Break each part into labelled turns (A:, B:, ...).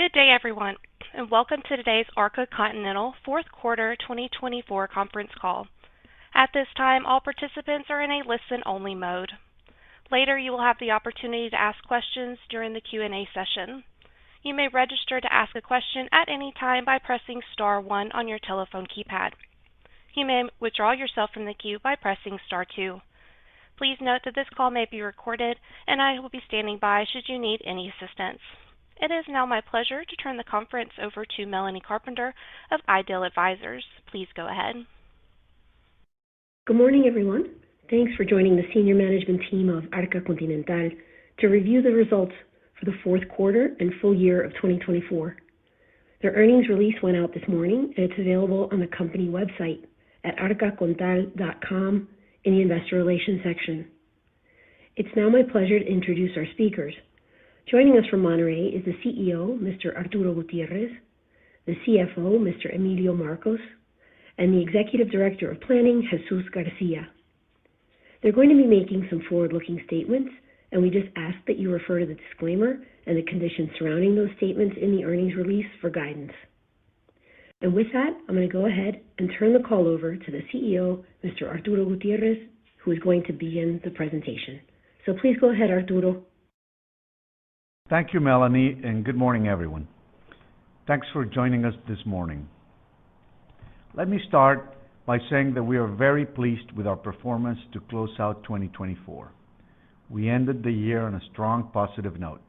A: Good day, everyone, and welcome to today's Arca Continental Fourth Quarter 2024 conference call. At this time, all participants are in a listen-only mode. Later, you will have the opportunity to ask questions during the Q&A session. You may register to ask a question at any time by pressing star one on your telephone keypad. You may withdraw yourself from the queue by pressing star two. Please note that this call may be recorded, and I will be standing by should you need any assistance. It is now my pleasure to turn the conference over to Melanie Carpenter of IDEAL Advisors. Please go ahead.
B: Good morning, everyone. Thanks for joining the senior management team of Arca Continental to review the results for the fourth quarter and full year of 2024. The earnings release went out this morning, and it's available on the company website at arcacontinental.com in the investor relations section. It's now my pleasure to introduce our speakers. Joining us from Monterrey is the CEO, Mr. Arturo Gutiérrez, the CFO, Mr. Emilio Marcos, and the Executive Director of Planning, Jesús García. They're going to be making some forward-looking statements, and we just ask that you refer to the disclaimer and the conditions surrounding those statements in the earnings release for guidance, and with that, I'm going to go ahead and turn the call over to the CEO, Mr. Arturo Gutiérrez, who is going to begin the presentation, so please go ahead, Arturo.
C: Thank you, Melanie, and good morning, everyone. Thanks for joining us this morning. Let me start by saying that we are very pleased with our performance to close out 2024. We ended the year on a strong positive note.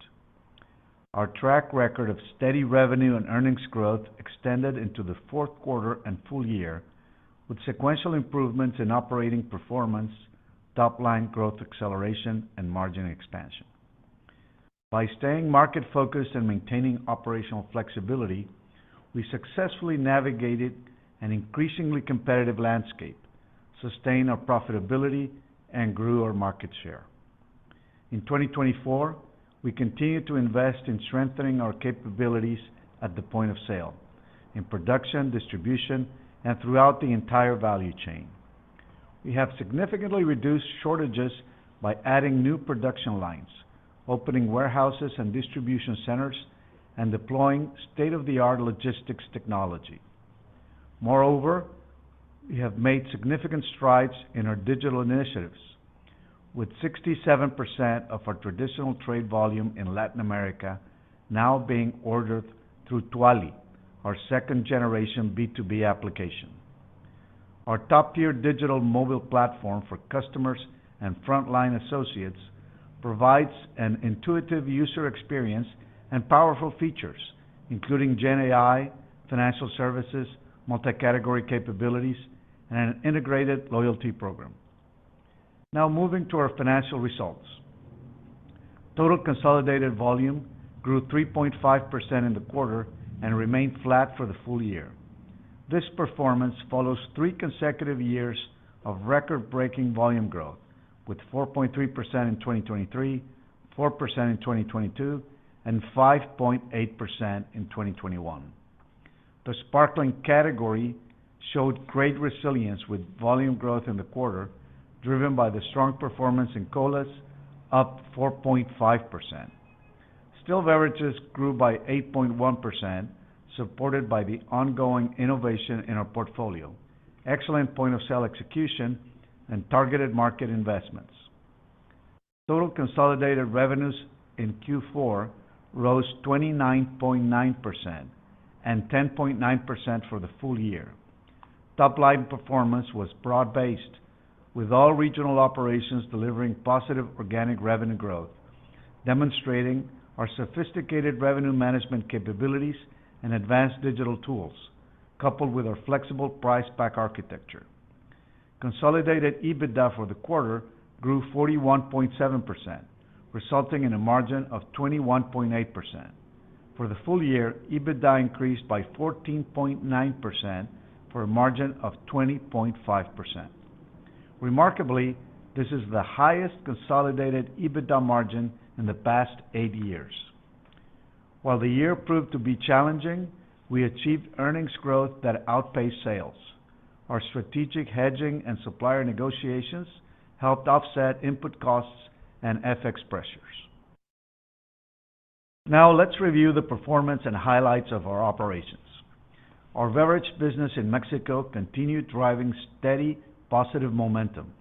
C: Our track record of steady revenue and earnings growth extended into the fourth quarter and full year, with sequential improvements in operating performance, top-line growth acceleration, and margin expansion. By staying market-focused and maintaining operational flexibility, we successfully navigated an increasingly competitive landscape, sustained our profitability, and grew our market share. In 2024, we continue to invest in strengthening our capabilities at the point of sale, in production, distribution, and throughout the entire value chain. We have significantly reduced shortages by adding new production lines, opening warehouses and distribution centers, and deploying state-of-the-art logistics technology. Moreover, we have made significant strides in our digital initiatives, with 67% of our traditional trade volume in Latin America now being ordered through Tuali, our second-generation B2B application. Our top-tier digital mobile platform for customers and frontline associates provides an intuitive user experience and powerful features, including GenAI, financial services, multi-category capabilities, and an integrated loyalty program. Now, moving to our financial results. Total consolidated volume grew 3.5% in the quarter and remained flat for the full year. This performance follows three consecutive years of record-breaking volume growth, with 4.3% in 2023, 4% in 2022, and 5.8% in 2021. The sparkling category showed great resilience with volume growth in the quarter, driven by the strong performance in colas, up 4.5%. Still beverages grew by 8.1%, supported by the ongoing innovation in our portfolio, excellent point-of-sale execution, and targeted market investments. Total consolidated revenues in Q4 rose 29.9% and 10.9% for the full year. Top-line performance was broad-based, with all regional operations delivering positive organic revenue growth, demonstrating our sophisticated revenue management capabilities and advanced digital tools, coupled with our flexible price-pack architecture. Consolidated EBITDA for the quarter grew 41.7%, resulting in a margin of 21.8%. For the full year, EBITDA increased by 14.9% for a margin of 20.5%. Remarkably, this is the highest consolidated EBITDA margin in the past eight years. While the year proved to be challenging, we achieved earnings growth that outpaced sales. Our strategic hedging and supplier negotiations helped offset input costs and FX pressures. Now, let's review the performance and highlights of our operations. Our beverage business in Mexico continued driving steady positive momentum,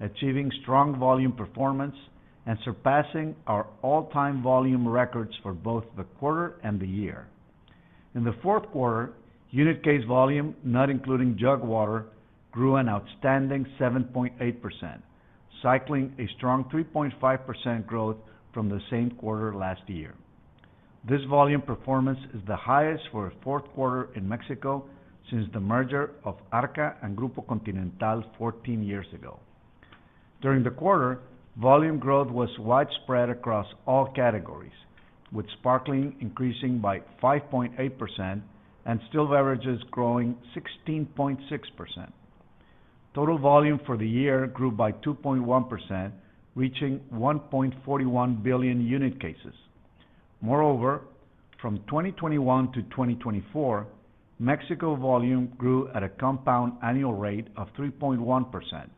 C: achieving strong volume performance and surpassing our all-time volume records for both the quarter and the year. In the fourth quarter, unit case volume, not including jug water, grew an outstanding 7.8%, cycling a strong 3.5% growth from the same quarter last year. This volume performance is the highest for a fourth quarter in Mexico since the merger of Arca and Grupo Continental 14 years ago. During the quarter, volume growth was widespread across all categories, with sparkling increasing by 5.8% and still beverages growing 16.6%. Total volume for the year grew by 2.1%, reaching 1.41 billion unit cases. Moreover, from 2021 to 2024, Mexico volume grew at a compound annual rate of 3.1%,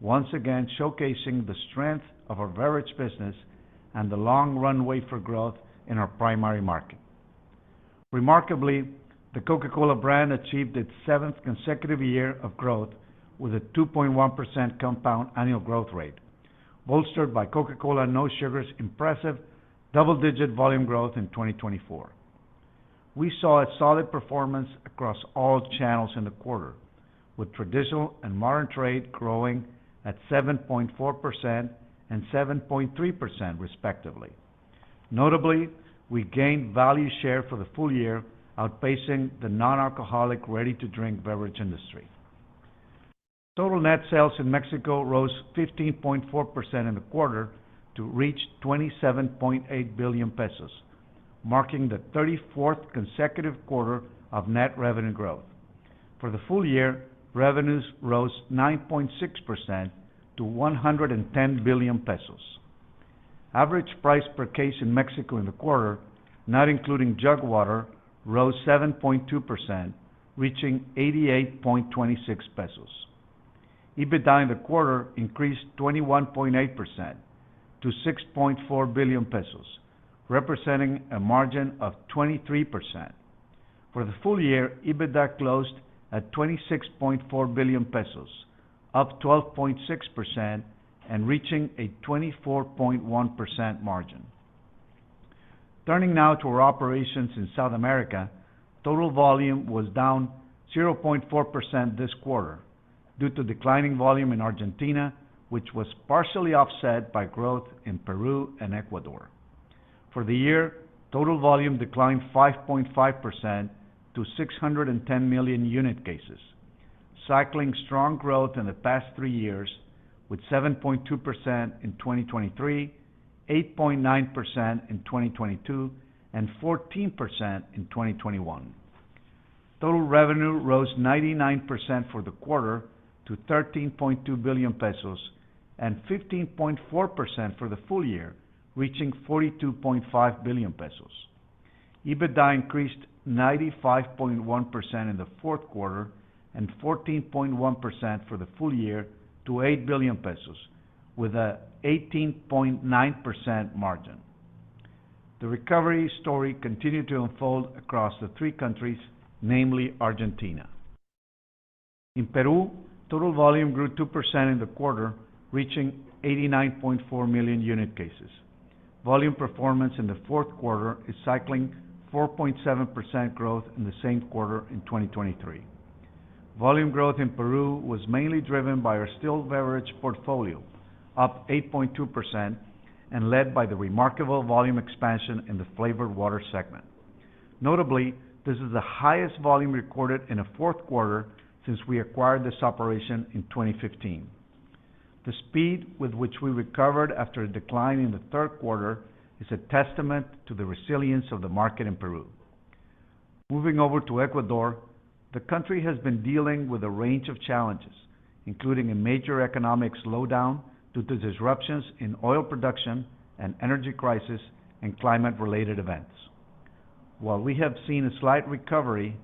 C: once again showcasing the strength of our beverage business and the long runway for growth in our primary market. Remarkably, the Coca-Cola brand achieved its seventh consecutive year of growth with a 2.1% compound annual growth rate, bolstered by Coca-Cola No Sugar's impressive double-digit volume growth in 2024. We saw a solid performance across all channels in the quarter, with traditional and modern trade growing at 7.4% and 7.3%, respectively. Notably, we gained value share for the full year, outpacing the non-alcoholic ready-to-drink beverage industry. Total net sales in Mexico rose 15.4% in the quarter to reach 27.8 billion pesos, marking the 34th consecutive quarter of net revenue growth. For the full year, revenues rose 9.6% to 110 billion pesos. Average price per case in Mexico in the quarter, not including jug water, rose 7.2%, reaching 88.26 pesos. EBITDA in the quarter increased 21.8% to 6.4 billion pesos, representing a margin of 23%. For the full year, EBITDA closed at 26.4 billion pesos, up 12.6% and reaching a 24.1% margin. Turning now to our operations in South America, total volume was down 0.4% this quarter due to declining volume in Argentina, which was partially offset by growth in Peru and Ecuador. For the year, total volume declined 5.5% to 610 million unit cases, cycling strong growth in the past three years, with 7.2% in 2023, 8.9% in 2022, and 14% in 2021. Total revenue rose 99% for the quarter to 13.2 billion pesos and 15.4% for the full year, reaching 42.5 billion pesos. EBITDA increased 95.1% in the fourth quarter and 14.1% for the full year to 8 billion pesos, with an 18.9% margin. The recovery story continued to unfold across the three countries, namely Argentina. In Peru, total volume grew 2% in the quarter, reaching 89.4 million unit cases. Volume performance in the fourth quarter is cycling 4.7% growth in the same quarter in 2023. Volume growth in Peru was mainly driven by our still beverage portfolio, up 8.2%, and led by the remarkable volume expansion in the flavored water segment. Notably, this is the highest volume recorded in a fourth quarter since we acquired this operation in 2015. The speed with which we recovered after a decline in the third quarter is a testament to the resilience of the market in Peru. Moving over to Ecuador, the country has been dealing with a range of challenges, including a major economic slowdown due to disruptions in oil production, an energy crisis, and climate-related events. While we have seen a slight recovery,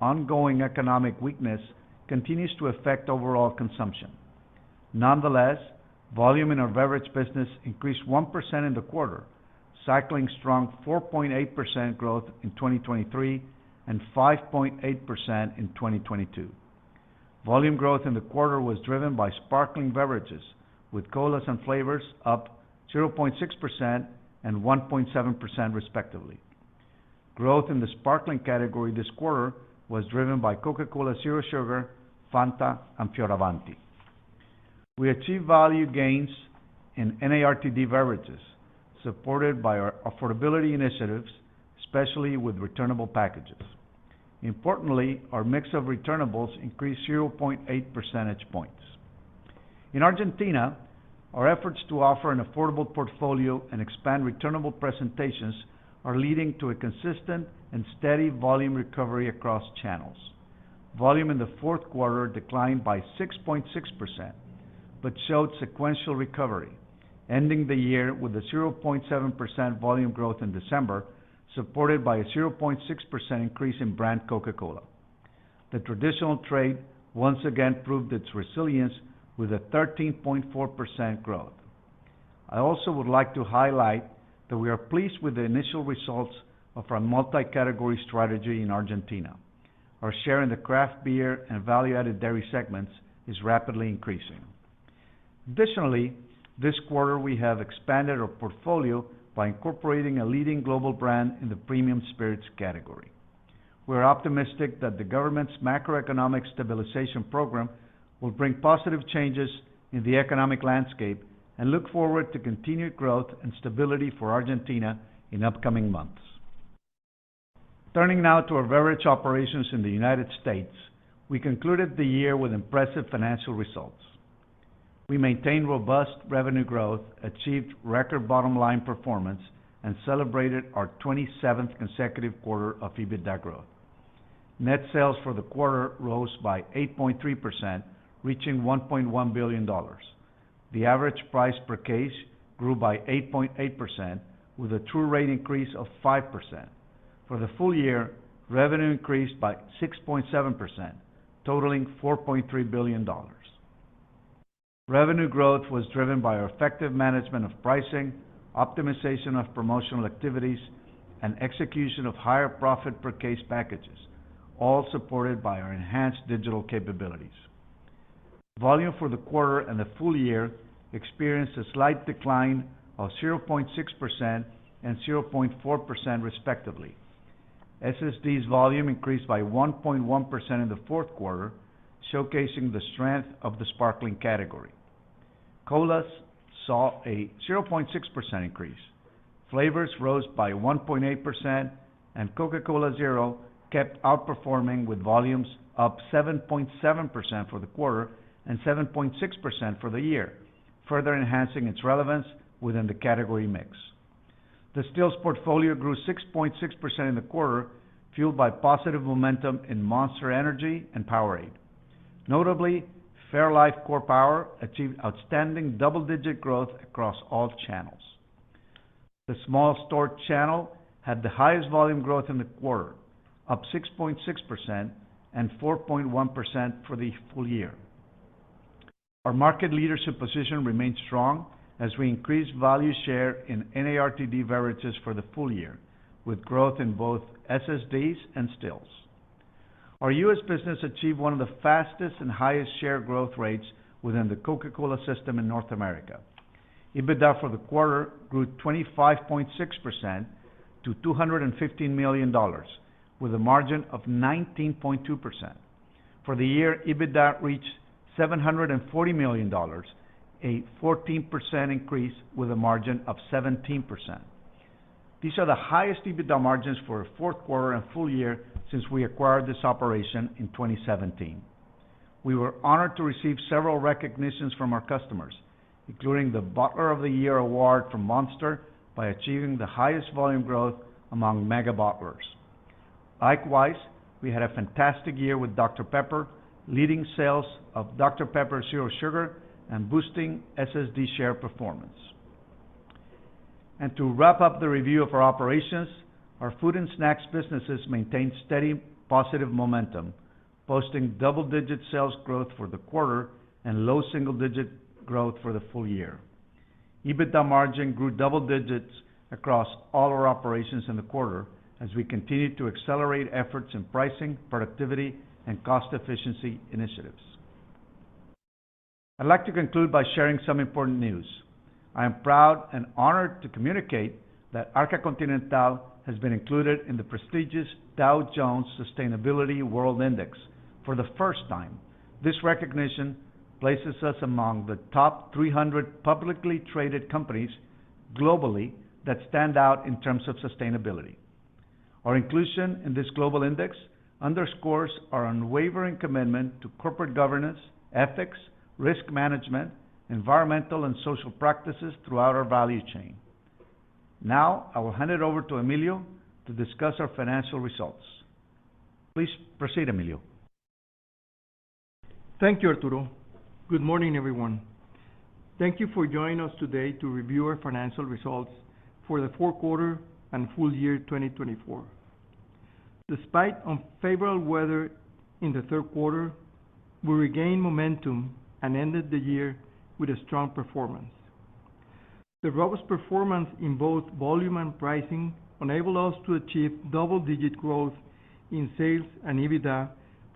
C: ongoing economic weakness continues to affect overall consumption. Nonetheless, volume in our beverage business increased 1% in the quarter, cycling strong 4.8% growth in 2023 and 5.8% in 2022. Volume growth in the quarter was driven by sparkling beverages, with colas and flavors up 0.6% and 1.7%, respectively. Growth in the sparkling category this quarter was driven by Coca-Cola Zero Sugar, Fanta, and Fioravanti. We achieved value gains in NARTD beverages, supported by our affordability initiatives, especially with returnable packages. Importantly, our mix of returnables increased 0.8 percentage points. In Argentina, our efforts to offer an affordable portfolio and expand returnable presentations are leading to a consistent and steady volume recovery across channels. Volume in the fourth quarter declined by 6.6% but showed sequential recovery, ending the year with a 0.7% volume growth in December, supported by a 0.6% increase in brand Coca-Cola. The traditional trade once again proved its resilience with a 13.4% growth. I also would like to highlight that we are pleased with the initial results of our multi-category strategy in Argentina. Our share in the craft beer and value-added dairy segments is rapidly increasing. Additionally, this quarter we have expanded our portfolio by incorporating a leading global brand in the premium spirits category. We are optimistic that the government's macroeconomic stabilization program will bring positive changes in the economic landscape and look forward to continued growth and stability for Argentina in upcoming months. Turning now to our beverage operations in the United States, we concluded the year with impressive financial results. We maintained robust revenue growth, achieved record bottom-line performance, and celebrated our 27th consecutive quarter of EBITDA growth. Net sales for the quarter rose by 8.3%, reaching $1.1 billion. The average price per case grew by 8.8%, with a true rate increase of 5%. For the full year, revenue increased by 6.7%, totaling $4.3 billion. Revenue growth was driven by our effective management of pricing, optimization of promotional activities, and execution of higher profit per case packages, all supported by our enhanced digital capabilities. Volume for the quarter and the full year experienced a slight decline of 0.6% and 0.4%, respectively. SSD's volume increased by 1.1% in the fourth quarter, showcasing the strength of the sparkling category. Colas saw a 0.6% increase. Flavors rose by 1.8%, and Coca-Cola Zero kept outperforming with volumes up 7.7% for the quarter and 7.6% for the year, further enhancing its relevance within the category mix. The Stills portfolio grew 6.6% in the quarter, fueled by positive momentum in Monster Energy and Powerade. Notably, Fairlife Core Power achieved outstanding double-digit growth across all channels. The small store channel had the highest volume growth in the quarter, up 6.6% and 4.1% for the full year. Our market leadership position remained strong as we increased value share in NARTD beverages for the full year, with growth in both SSDs and Stills. Our U.S. business achieved one of the fastest and highest share growth rates within the Coca-Cola system in North America. EBITDA for the quarter grew 25.6% to $215 million, with a margin of 19.2%. For the year, EBITDA reached $740 million, a 14% increase with a margin of 17%. These are the highest EBITDA margins for a fourth quarter and full year since we acquired this operation in 2017. We were honored to receive several recognitions from our customers, including the Bottler of the Year award from Monster by achieving the highest volume growth among mega bottlers. Likewise, we had a fantastic year with Dr Pepper, leading sales of Dr Pepper Zero Sugar and boosting SSD share performance. And to wrap up the review of our operations, our food and snacks businesses maintained steady positive momentum, posting double-digit sales growth for the quarter and low single-digit growth for the full year. EBITDA margin grew double digits across all our operations in the quarter as we continued to accelerate efforts in pricing, productivity, and cost efficiency initiatives. I'd like to conclude by sharing some important news. I am proud and honored to communicate that Arca Continental has been included in the prestigious Dow Jones Sustainability World Index for the first time. This recognition places us among the top 300 publicly traded companies globally that stand out in terms of sustainability. Our inclusion in this global index underscores our unwavering commitment to corporate governance, ethics, risk management, environmental, and social practices throughout our value chain. Now, I will hand it over to Emilio to discuss our financial results. Please proceed, Emilio.
D: Thank you, Arturo. Good morning, everyone. Thank you for joining us today to review our financial results for the fourth quarter and full year 2024. Despite unfavorable weather in the third quarter, we regained momentum and ended the year with a strong performance. The robust performance in both volume and pricing enabled us to achieve double-digit growth in sales and EBITDA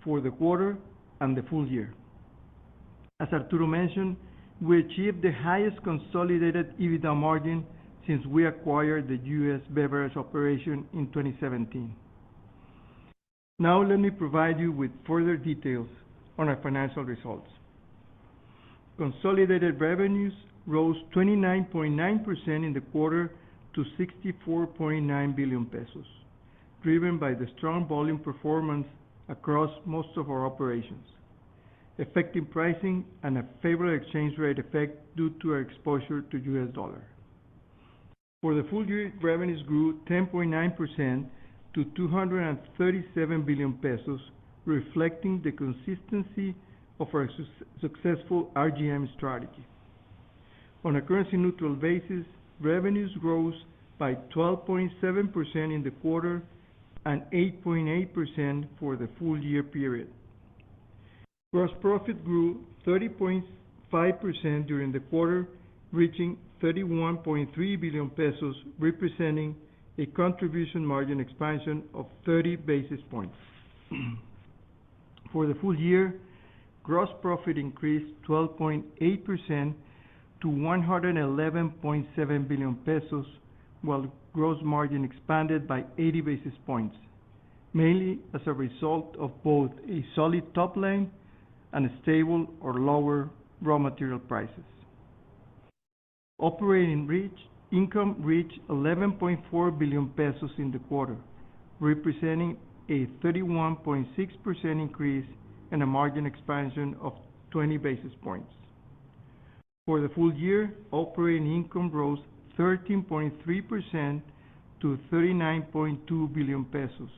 D: for the quarter and the full year. As Arturo mentioned, we achieved the highest consolidated EBITDA margin since we acquired the U.S. beverage operation in 2017. Now, let me provide you with further details on our financial results. Consolidated revenues rose 29.9% in the quarter to 64.9 billion pesos, driven by the strong volume performance across most of our operations, effective pricing, and a favorable exchange rate effect due to our exposure to U.S. dollar. For the full year, revenues grew 10.9% to 237 billion pesos, reflecting the consistency of our successful RGM strategy. On a currency-neutral basis, revenues rose by 12.7% in the quarter and 8.8% for the full year period. Gross profit grew 30.5% during the quarter, reaching 31.3 billion pesos, representing a contribution margin expansion of 30 basis points. For the full year, gross profit increased 12.8% to 111.7 billion pesos, while gross margin expanded by 80 basis points, mainly as a result of both a solid top line and stable or lower raw material prices. Operating income reached 11.4 billion pesos in the quarter, representing a 31.6% increase and a margin expansion of 20 basis points. For the full year, operating income rose 13.3% to 39.2 billion pesos,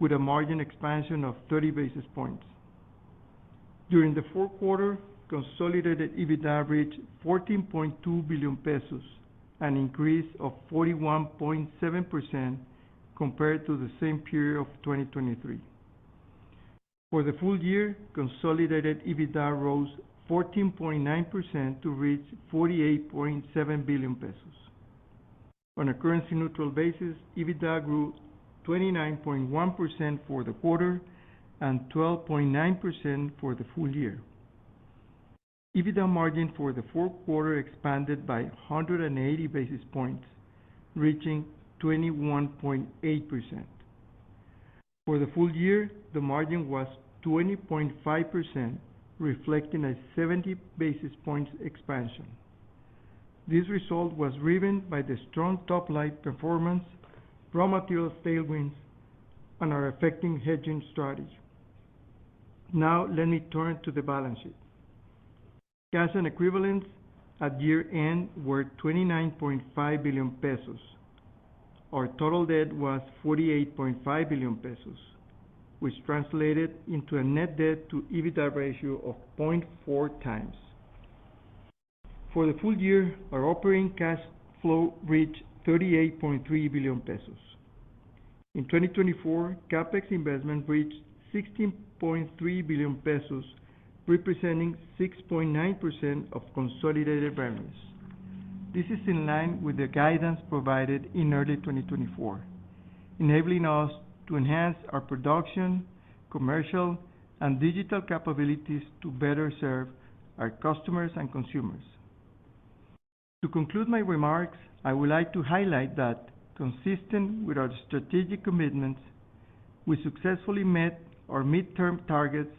D: with a margin expansion of 30 basis points. During the fourth quarter, consolidated EBITDA reached 14.2 billion pesos, an increase of 41.7% compared to the same period of 2023. For the full year, consolidated EBITDA rose 14.9% to reach 48.7 billion pesos. On a currency-neutral basis, EBITDA grew 29.1% for the quarter and 12.9% for the full year. EBITDA margin for the fourth quarter expanded by 180 basis points, reaching 21.8%. For the full year, the margin was 20.5%, reflecting a 70 basis points expansion. This result was driven by the strong top line performance, raw material tailwinds, and our effective hedging strategy. Now, let me turn to the balance sheet. Cash and equivalents at year-end were 29.5 billion pesos. Our total debt was 48.5 billion pesos, which translated into a Net Debt-to-EBITDA ratio of 0.4 times. For the full year, our operating cash flow reached 38.3 billion pesos. In 2024, CapEx investment reached 16.3 billion pesos, representing 6.9% of consolidated revenues. This is in line with the guidance provided in early 2024, enabling us to enhance our production, commercial, and digital capabilities to better serve our customers and consumers. To conclude my remarks, I would like to highlight that, consistent with our strategic commitments, we successfully met our midterm targets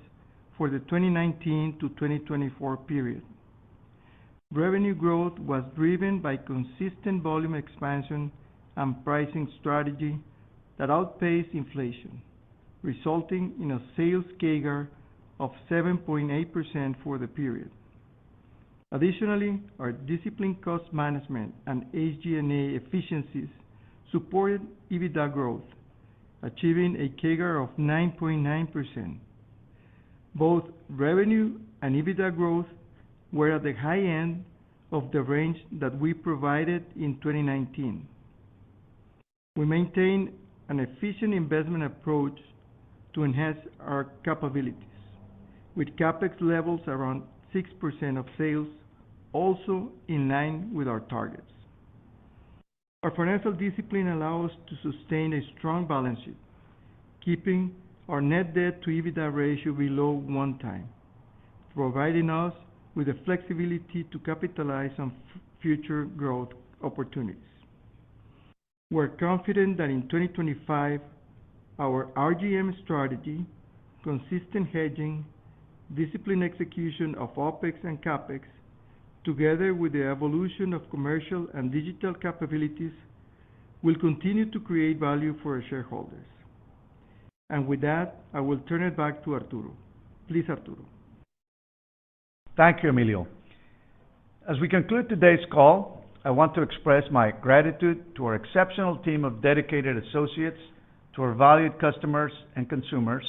D: for the 2019-2024 period. Revenue growth was driven by consistent volume expansion and pricing strategy that outpaced inflation, resulting in a sales CAGR of 7.8% for the period. Additionally, our disciplined cost management and SG&A efficiencies supported EBITDA growth, achieving a CAGR of 9.9%. Both revenue and EBITDA growth were at the high end of the range that we provided in 2019. We maintain an efficient investment approach to enhance our capabilities, with CapEx levels around 6% of sales, also in line with our targets. Our financial discipline allows us to sustain a strong balance sheet, keeping our net debt-to-EBITDA ratio below one time, providing us with the flexibility to capitalize on future growth opportunities. We're confident that in 2025, our RGM strategy, consistent hedging, disciplined execution of OpEx and CapEx, together with the evolution of commercial and digital capabilities, will continue to create value for our shareholders. And with that, I will turn it back to Arturo. Please, Arturo.
C: Thank you, Emilio. As we conclude today's call, I want to express my gratitude to our exceptional team of dedicated associates, to our valued customers and consumers,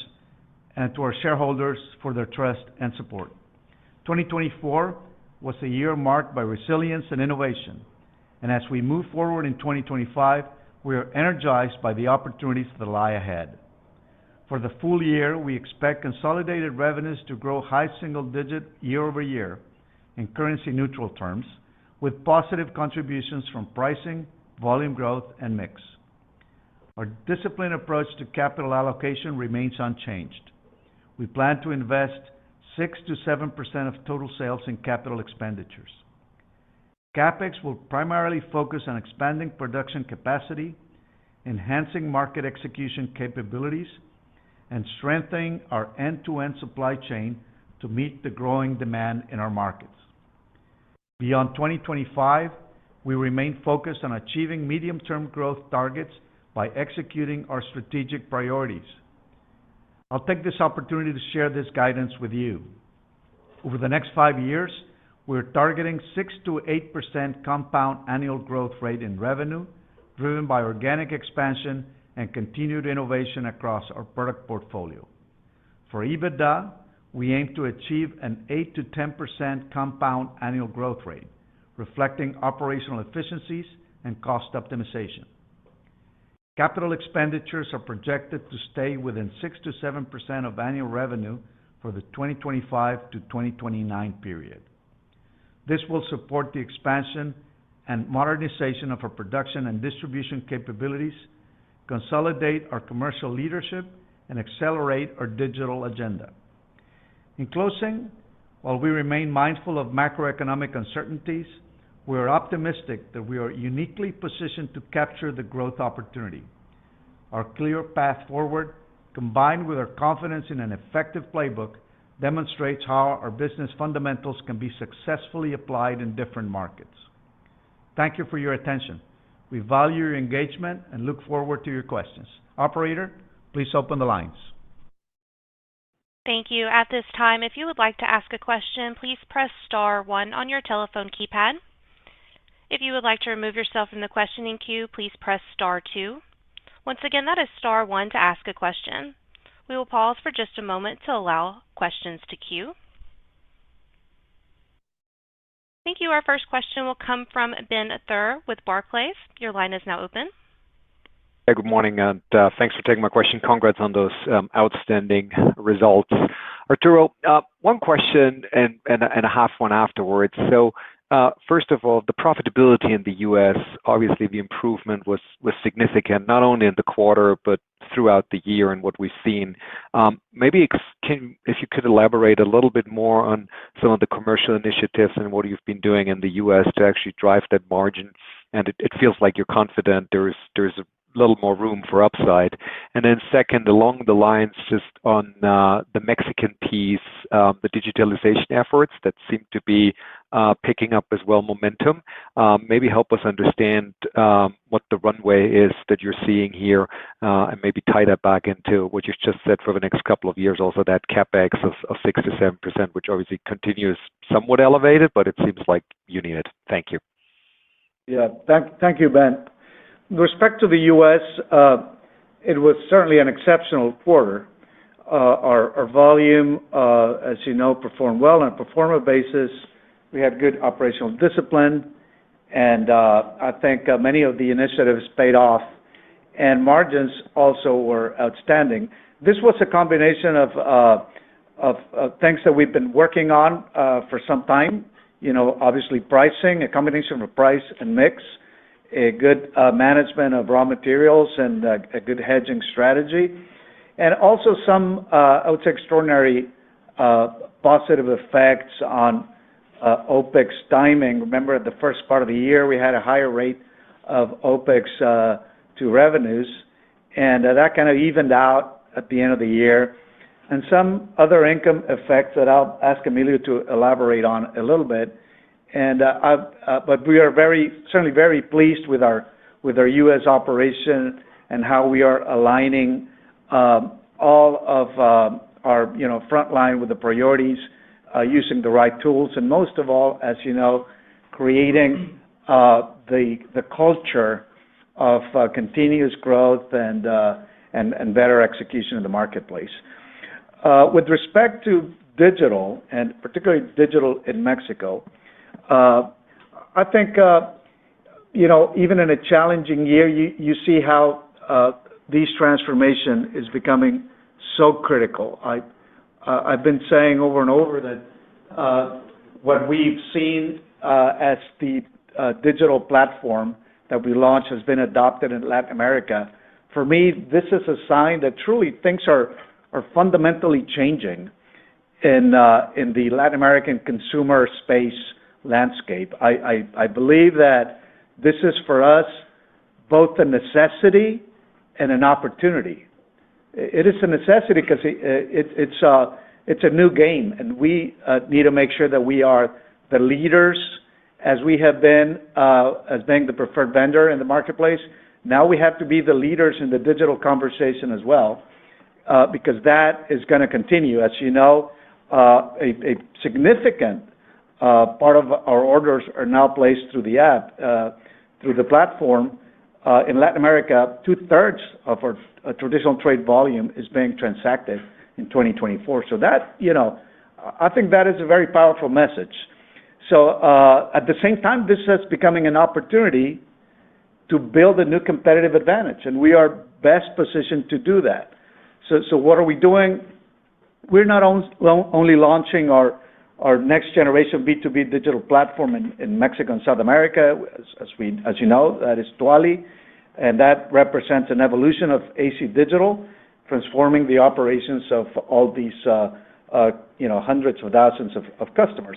C: and to our shareholders for their trust and support. 2024 was a year marked by resilience and innovation, and as we move forward in 2025, we are energized by the opportunities that lie ahead. For the full year, we expect consolidated revenues to grow high single-digit year-over-year in currency-neutral terms, with positive contributions from pricing, volume growth, and mix. Our disciplined approach to capital allocation remains unchanged. We plan to invest 6%-7% of total sales in capital expenditures. CapEx will primarily focus on expanding production capacity, enhancing market execution capabilities, and strengthening our end-to-end supply chain to meet the growing demand in our markets. Beyond 2025, we remain focused on achieving medium-term growth targets by executing our strategic priorities. I'll take this opportunity to share this guidance with you. Over the next five years, we're targeting 6%-8% compound annual growth rate in revenue, driven by organic expansion and continued innovation across our product portfolio. For EBITDA, we aim to achieve an 8%-10% compound annual growth rate, reflecting operational efficiencies and cost optimization. Capital expenditures are projected to stay within 6%-7% of annual revenue for the 2025-2029 period. This will support the expansion and modernization of our production and distribution capabilities, consolidate our commercial leadership, and accelerate our digital agenda. In closing, while we remain mindful of macroeconomic uncertainties, we are optimistic that we are uniquely positioned to capture the growth opportunity. Our clear path forward, combined with our confidence in an effective playbook, demonstrates how our business fundamentals can be successfully applied in different markets. Thank you for your attention. We value your engagement and look forward to your questions. Operator, please open the lines.
A: Thank you. At this time, if you would like to ask a question, please press star one on your telephone keypad. If you would like to remove yourself from the questioning queue, please press star two. Once again, that is Star 1 to ask a question. We will pause for just a moment to allow questions to queue. Thank you. Our first question will come from Ben Theurer with Barclays. Your line is now open.
E: Hey, good morning, and thanks for taking my question. Congrats on those outstanding results. Arturo, one question and a half one afterwards. So, first of all, the profitability in the U.S., obviously the improvement was significant, not only in the quarter but throughout the year and what we've seen. Maybe if you could elaborate a little bit more on some of the commercial initiatives and what you've been doing in the U.S. to actually drive that margin, and it feels like you're confident there's a little more room for upside. And then second, along the lines, just on the Mexican piece, the digitalization efforts that seem to be picking up as well momentum. Maybe help us understand what the runway is that you're seeing here and maybe tie that back into what you've just said for the next couple of years, also that CapEx of 6%-7%, which obviously continues somewhat elevated, but it seems like you need it. Thank you.
C: Yeah, thank you, Ben. With respect to the U.S., it was certainly an exceptional quarter. Our volume, as you know, performed well on a performance basis. We had good operational discipline, and I think many of the initiatives paid off, and margins also were outstanding. This was a combination of things that we've been working on for some time, obviously pricing, a combination of price and mix, a good management of raw materials, and a good hedging strategy, and also some, I would say, extraordinary positive effects on OpEx timing. Remember, the first part of the year, we had a higher rate of OpEx to revenues, and that kind of evened out at the end of the year, and some other income effects that I'll ask Emilio to elaborate on a little bit. But we are certainly very pleased with our U.S. operation and how we are aligning all of our front line with the priorities, using the right tools, and most of all, as you know, creating the culture of continuous growth and better execution in the marketplace. With respect to digital, and particularly digital in Mexico, I think even in a challenging year, you see how this transformation is becoming so critical. I've been saying over and over that what we've seen as the digital platform that we launched has been adopted in Latin America. For me, this is a sign that truly things are fundamentally changing in the Latin American consumer space landscape. I believe that this is, for us, both a necessity and an opportunity. It is a necessity because it's a new game, and we need to make sure that we are the leaders, as we have been, as being the preferred vendor in the marketplace. Now we have to be the leaders in the digital conversation as well because that is going to continue. As you know, a significant part of our orders are now placed through the app, through the platform. In Latin America, two-thirds of our traditional trade volume is being transacted in 2024. So I think that is a very powerful message. So at the same time, this is becoming an opportunity to build a new competitive advantage, and we are best positioned to do that. So what are we doing? We're not only launching our next-generation B2B digital platform in Mexico and South America, as you know, that is Tuali, and that represents an evolution of AC Digital, transforming the operations of all these hundreds of thousands of customers.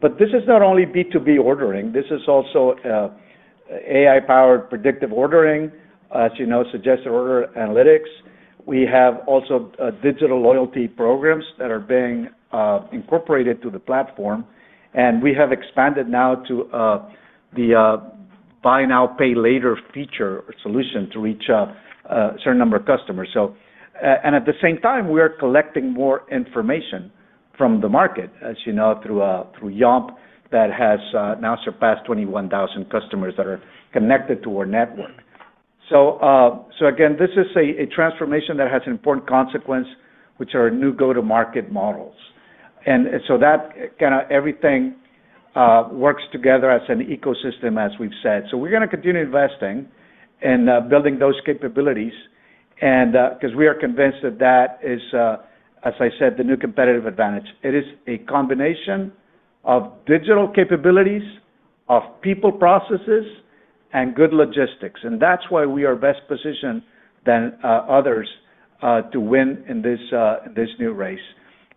C: But this is not only B2B ordering. This is also AI-powered predictive ordering, as you know, suggested order analytics. We have also digital loyalty programs that are being incorporated to the platform, and we have expanded now to the buy now, pay later feature or solution to reach a certain number of customers. At the same time, we are collecting more information from the market, as you know, through YOMP that has now surpassed 21,000 customers that are connected to our network. So again, this is a transformation that has an important consequence, which are new go-to-market models. And so that kind of everything works together as an ecosystem, as we've said. So we're going to continue investing and building those capabilities because we are convinced that that is, as I said, the new competitive advantage. It is a combination of digital capabilities, of people, processes, and good logistics. And that's why we are best positioned than others to win in this new race.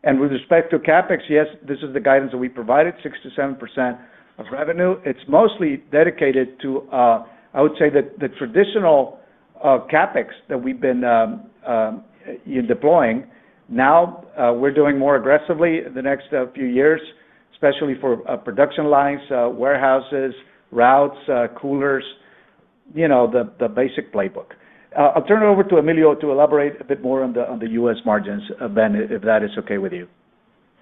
C: And with respect to CapEx, yes, this is the guidance that we provided: 6%-7% of revenue. It's mostly dedicated to, I would say, the traditional CapEx that we've been deploying. Now we're doing more aggressively in the next few years, especially for production lines, warehouses, routes, coolers, the basic playbook. I'll turn it over to Emilio to elaborate a bit more on the U.S. margins, Ben, if that is okay with you.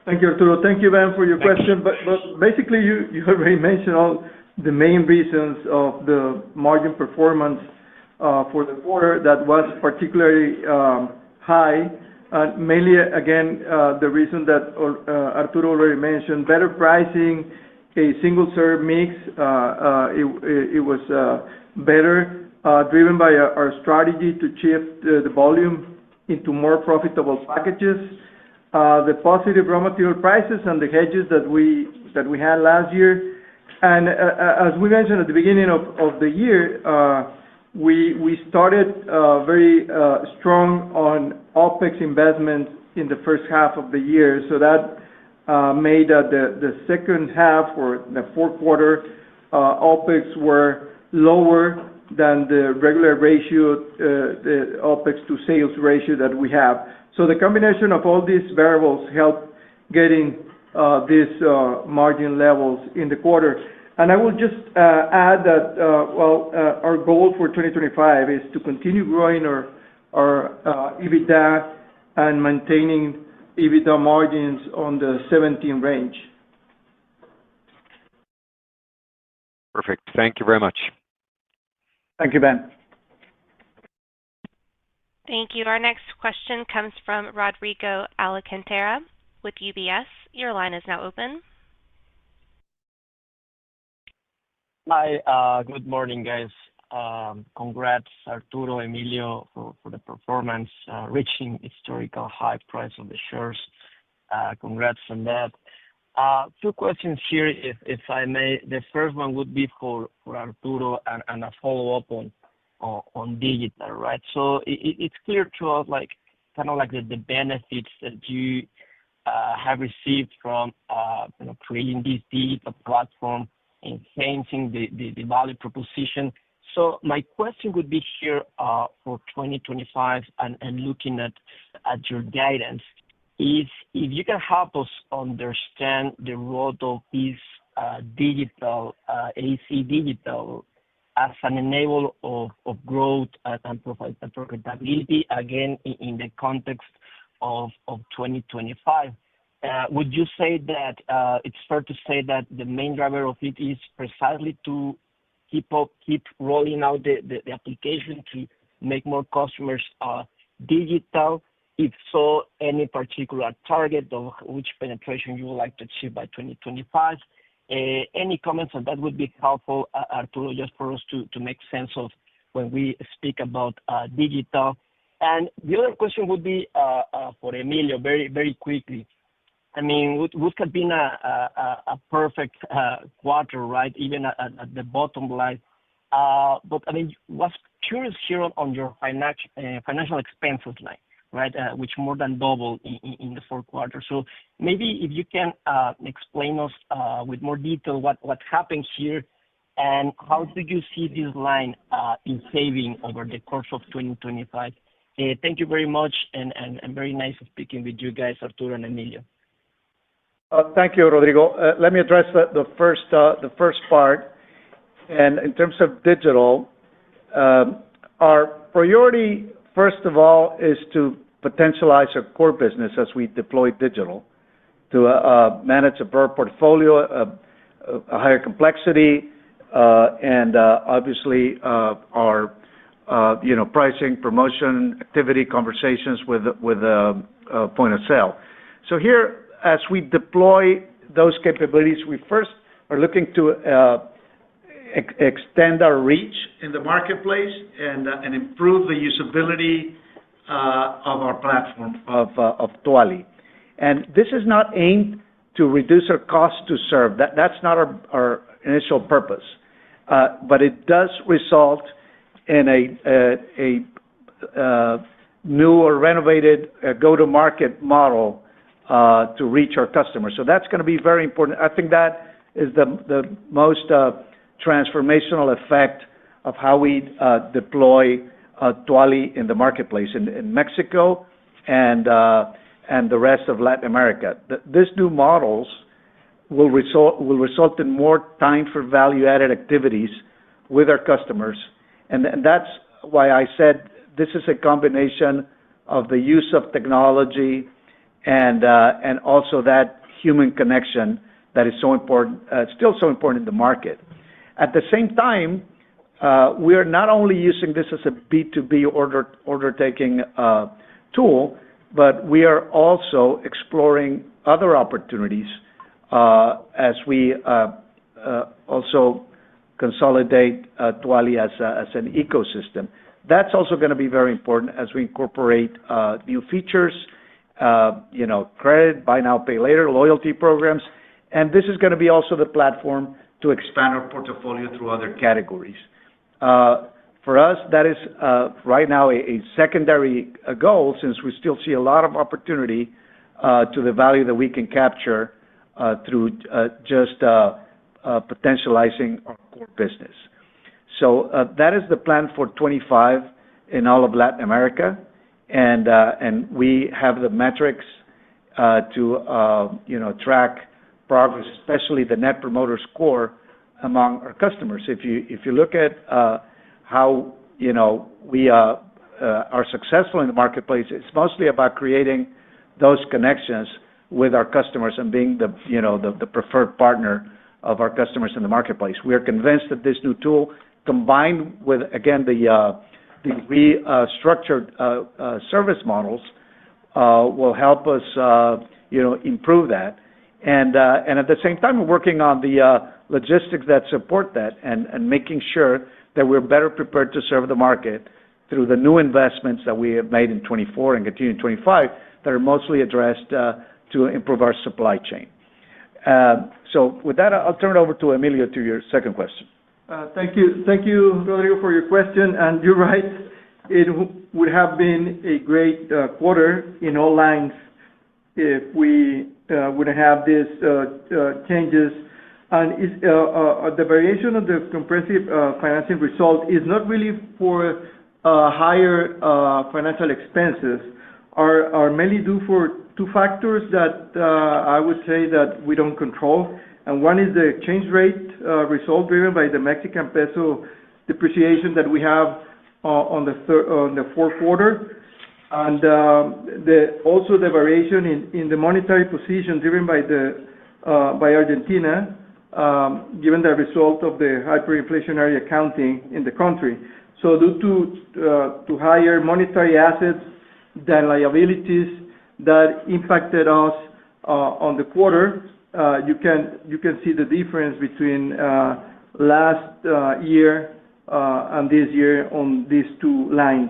D: Thank you, Arturo. Thank you, Ben, for your question. But basically, you already mentioned all the main reasons of the margin performance for the quarter that was particularly high, mainly, again, the reason that Arturo already mentioned: better pricing, a single-serve mix. It was better driven by our strategy to shift the volume into more profitable packages, the positive raw material prices, and the hedges that we had last year. As we mentioned at the beginning of the year, we started very strong on OpEx investments in the first half of the year. So that made the second half or the fourth quarter OpEx were lower than the regular ratio, the OpEx to sales ratio that we have. So the combination of all these variables helped getting these margin levels in the quarter. And I will just add that, well, our goal for 2025 is to continue growing our EBITDA and maintaining EBITDA margins on the 17 range.
E: Perfect. Thank you very much.
C: Thank you, Ben.
A: Thank you. Our next question comes from Rodrigo Alcantara with UBS. Your line is now open.
F: Hi. Good morning, guys. Congrats, Arturo, Emilio, for the performance, reaching historical high price of the shares. Congrats on that. Two questions here, if I may. The first one would be for Arturo and a follow-up on digital, right? It's clear to us kind of like the benefits that you have received from creating this digital platform and changing the value proposition. My question would be here for 2025 and looking at your guidance is if you can help us understand the role of this digital AC Digital as an enabler of growth and profitability, again, in the context of 2025. Would you say that it's fair to say that the main driver of it is precisely to keep rolling out the application to make more customers digital? If so, any particular target of which penetration you would like to achieve by 2025? Any comments on that would be helpful, Arturo, just for us to make sense of when we speak about digital. The other question would be for Emilio, very quickly. I mean, it would have been a perfect quarter, right, even at the bottom line. But I mean, I was curious here on your financial expenses line, right, which more than doubled in the fourth quarter. So maybe if you can explain to us with more detail what happened here and how did you see this line evolving over the course of 2025? Thank you very much, and very nice speaking with you guys, Arturo and Emilio.
C: Thank you, Rodrigo. Let me address the first part. In terms of digital, our priority, first of all, is to potentialize our core business as we deploy digital to manage a portfolio, a higher complexity, and obviously our pricing, promotion, activity, conversations with point of sale. So here, as we deploy those capabilities, we first are looking to extend our reach in the marketplace and improve the usability of our platform of Tuali. And this is not aimed to reduce our cost to serve. That's not our initial purpose. But it does result in a new or renovated go-to-market model to reach our customers. So that's going to be very important. I think that is the most transformational effect of how we deploy Tuali in the marketplace in Mexico and the rest of Latin America. These new models will result in more time for value-added activities with our customers. And that's why I said this is a combination of the use of technology and also that human connection that is still so important in the market. At the same time, we are not only using this as a B2B order-taking tool, but we are also exploring other opportunities as we also consolidate Tuali as an ecosystem. That's also going to be very important as we incorporate new features, credit, buy now, pay later, loyalty programs, and this is going to be also the platform to expand our portfolio through other categories. For us, that is right now a secondary goal since we still see a lot of opportunity to the value that we can capture through just potentializing our core business, so that is the plan for 2025 in all of Latin America, and we have the metrics to track progress, especially the Net Promoter Score among our customers. If you look at how we are successful in the marketplace, it's mostly about creating those connections with our customers and being the preferred partner of our customers in the marketplace. We are convinced that this new tool, combined with, again, the restructured service models, will help us improve that. And at the same time, we're working on the logistics that support that and making sure that we're better prepared to serve the market through the new investments that we have made in 2024 and continue in 2025 that are mostly addressed to improve our supply chain. So with that, I'll turn it over to Emilio to your second question.
D: Thank you, Rodrigo, for your question. And you're right. It would have been a great quarter in all lines if we wouldn't have these changes. And the variation of the comprehensive financing result is not really for higher financial expenses. are mainly due to two factors that I would say that we don't control. One is the exchange rate result driven by the Mexican peso depreciation that we have in the fourth quarter. Also, the variation in the monetary position driven by Argentina, given the result of the hyperinflationary accounting in the country. Due to higher monetary assets than liabilities, that impacted us in the quarter. You can see the difference between last year and this year on these two lines.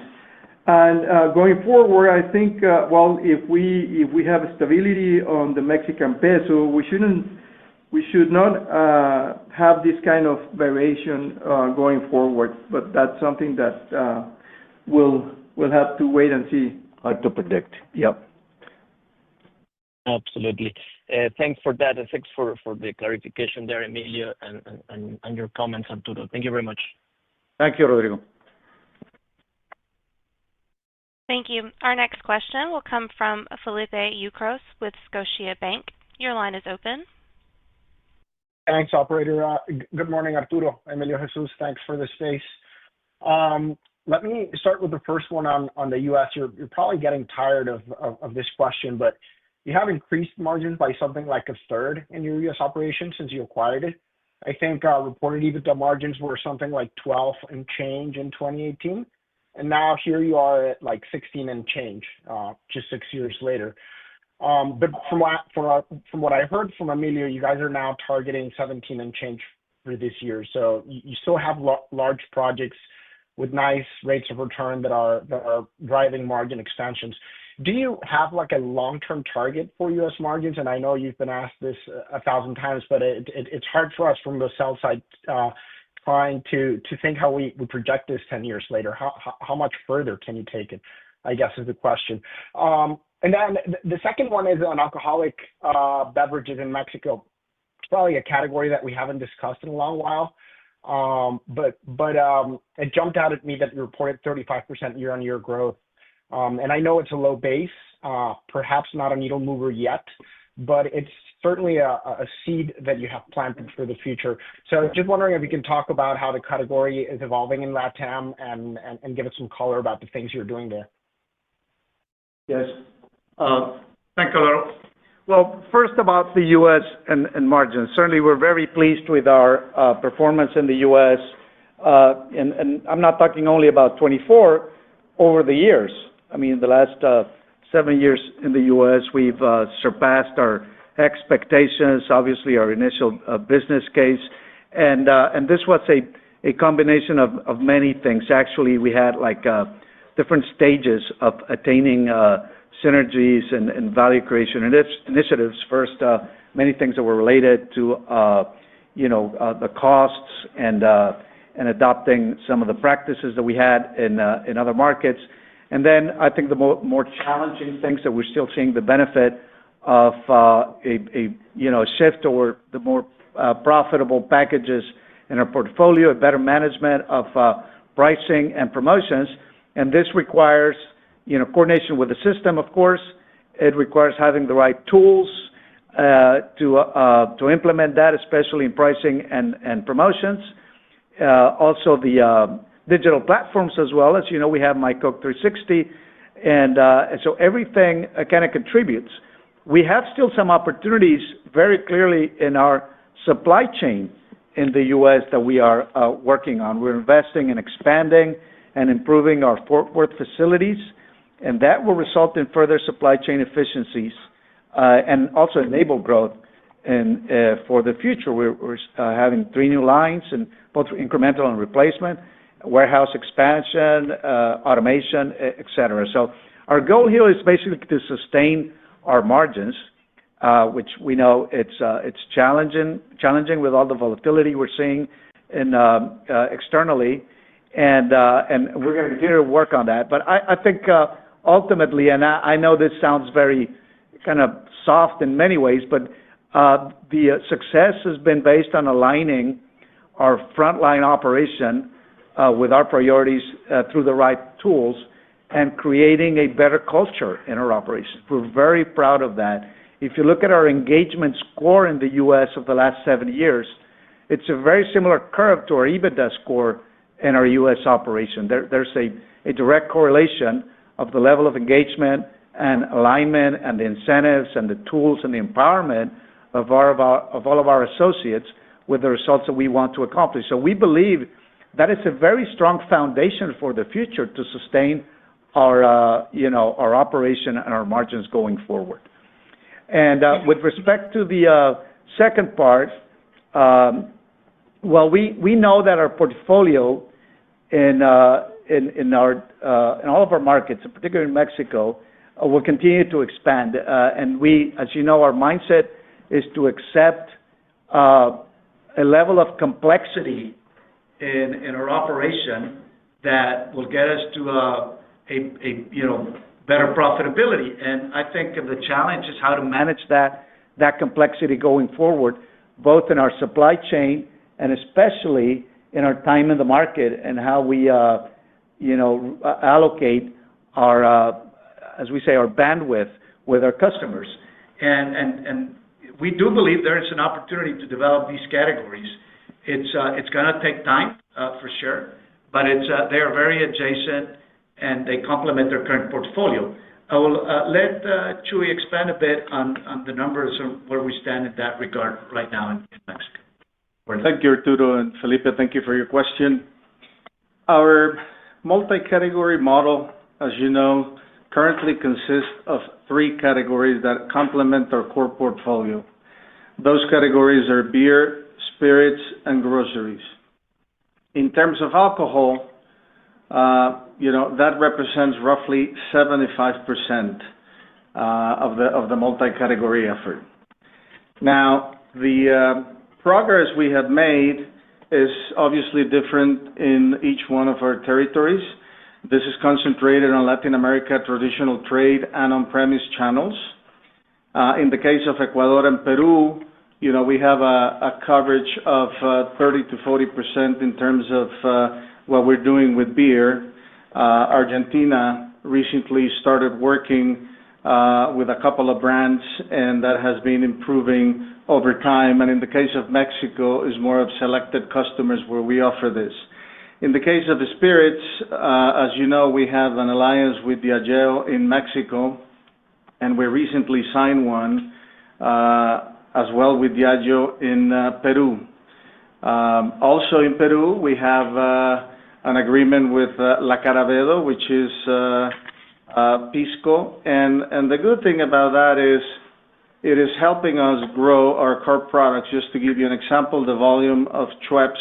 D: Going forward, I think, well, if we have stability on the Mexican peso, we should not have this kind of variation going forward. But that's something that we'll have to wait and see.
C: Hard to predict.
D: Yep.
F: Absolutely. Thanks for that. And thanks for the clarification there, Emilio, and your comments, Arturo. Thank you very much.
C: Thank you, Rodrigo.
A: Thank you. Our next question will come from Felipe Ucros with Scotiabank. Your line is open.
G: Thanks, Operator. Good morning, Arturo, Emilio, Jesús. Thanks for the space. Let me start with the first one on the U.S. You're probably getting tired of this question, but you have increased margins by something like a third in your U.S. operations since you acquired it. I think I reported even the margins were something like 12 and change in 2018. And now here you are at like 16 and change, just six years later. But from what I heard from Emilio, you guys are now targeting 17 and change for this year. So you still have large projects with nice rates of return that are driving margin expansions. Do you have a long-term target for U.S. margins? I know you've been asked this a thousand times, but it's hard for us from the sell side trying to think how we project this 10 years later. How much further can you take it, I guess, is the question. And then the second one is alcoholic beverages in Mexico. It's probably a category that we haven't discussed in a long while. But it jumped out at me that you reported 35% year-on-year growth. And I know it's a low base, perhaps not a needle mover yet, but it's certainly a seed that you have planted for the future. So I was just wondering if you can talk about how the category is evolving in LATAM and give us some color about the things you're doing there.
C: Yes. Thank you, Arturo. Well, first about the U.S. and margins. Certainly, we're very pleased with our performance in the U.S. I'm not talking only about 2024. Over the years, I mean, the last seven years in the U.S., we've surpassed our expectations, obviously, our initial business case. And this was a combination of many things. Actually, we had different stages of attaining synergies and value creation initiatives. First, many things that were related to the costs and adopting some of the practices that we had in other markets. And then I think the more challenging things that we're still seeing the benefit of a shift or the more profitable packages in our portfolio, a better management of pricing and promotions. And this requires coordination with the system, of course. It requires having the right tools to implement that, especially in pricing and promotions. Also, the digital platforms as well. As you know, we have myCoke 360. And so everything kind of contributes. We have still some opportunities very clearly in our supply chain in the U.S. that we are working on. We're investing and expanding and improving our Fort Worth facilities, and that will result in further supply chain efficiencies and also enable growth for the future. We're having three new lines and both incremental and replacement, warehouse expansion, automation, etc., so our goal here is basically to sustain our margins, which we know it's challenging with all the volatility we're seeing externally, and we're going to continue to work on that, but I think ultimately, and I know this sounds very kind of soft in many ways, but the success has been based on aligning our frontline operation with our priorities through the right tools and creating a better culture in our operations, we're very proud of that. If you look at our engagement score in the U.S. of the last seven years, it's a very similar curve to our EBITDA score in our U.S. operation. There's a direct correlation of the level of engagement and alignment and the incentives and the tools and the empowerment of all of our associates with the results that we want to accomplish. So we believe that it's a very strong foundation for the future to sustain our operation and our margins going forward. And with respect to the second part, well, we know that our portfolio in all of our markets, particularly in Mexico, will continue to expand. And we, as you know, our mindset is to accept a level of complexity in our operation that will get us to a better profitability. I think the challenge is how to manage that complexity going forward, both in our supply chain and especially in our time in the market and how we allocate, as we say, our bandwidth with our customers. We do believe there is an opportunity to develop these categories. It's going to take time for sure, but they are very adjacent and they complement their current portfolio. I will let Jesús expand a bit on the numbers and where we stand in that regard right now in Mexico.
H: Thank you, Arturo and Felipe. Thank you for your question. Our multi-category model, as you know, currently consists of three categories that complement our core portfolio. Those categories are beer, spirits, and groceries. In terms of alcohol, that represents roughly 75% of the multi-category effort. Now, the progress we have made is obviously different in each one of our territories. This is concentrated on Latin America, traditional trade, and on-premise channels. In the case of Ecuador and Peru, we have a coverage of 30%-40% in terms of what we're doing with beer. Argentina recently started working with a couple of brands, and that has been improving over time. In the case of Mexico, it's more of selected customers where we offer this. In the case of spirits, as you know, we have an alliance with Diageo in Mexico, and we recently signed one as well with Diageo in Peru. Also in Peru, we have an agreement with La Caravedo, which is Pisco. The good thing about that is it is helping us grow our core products. Just to give you an example, the volume of Schweppes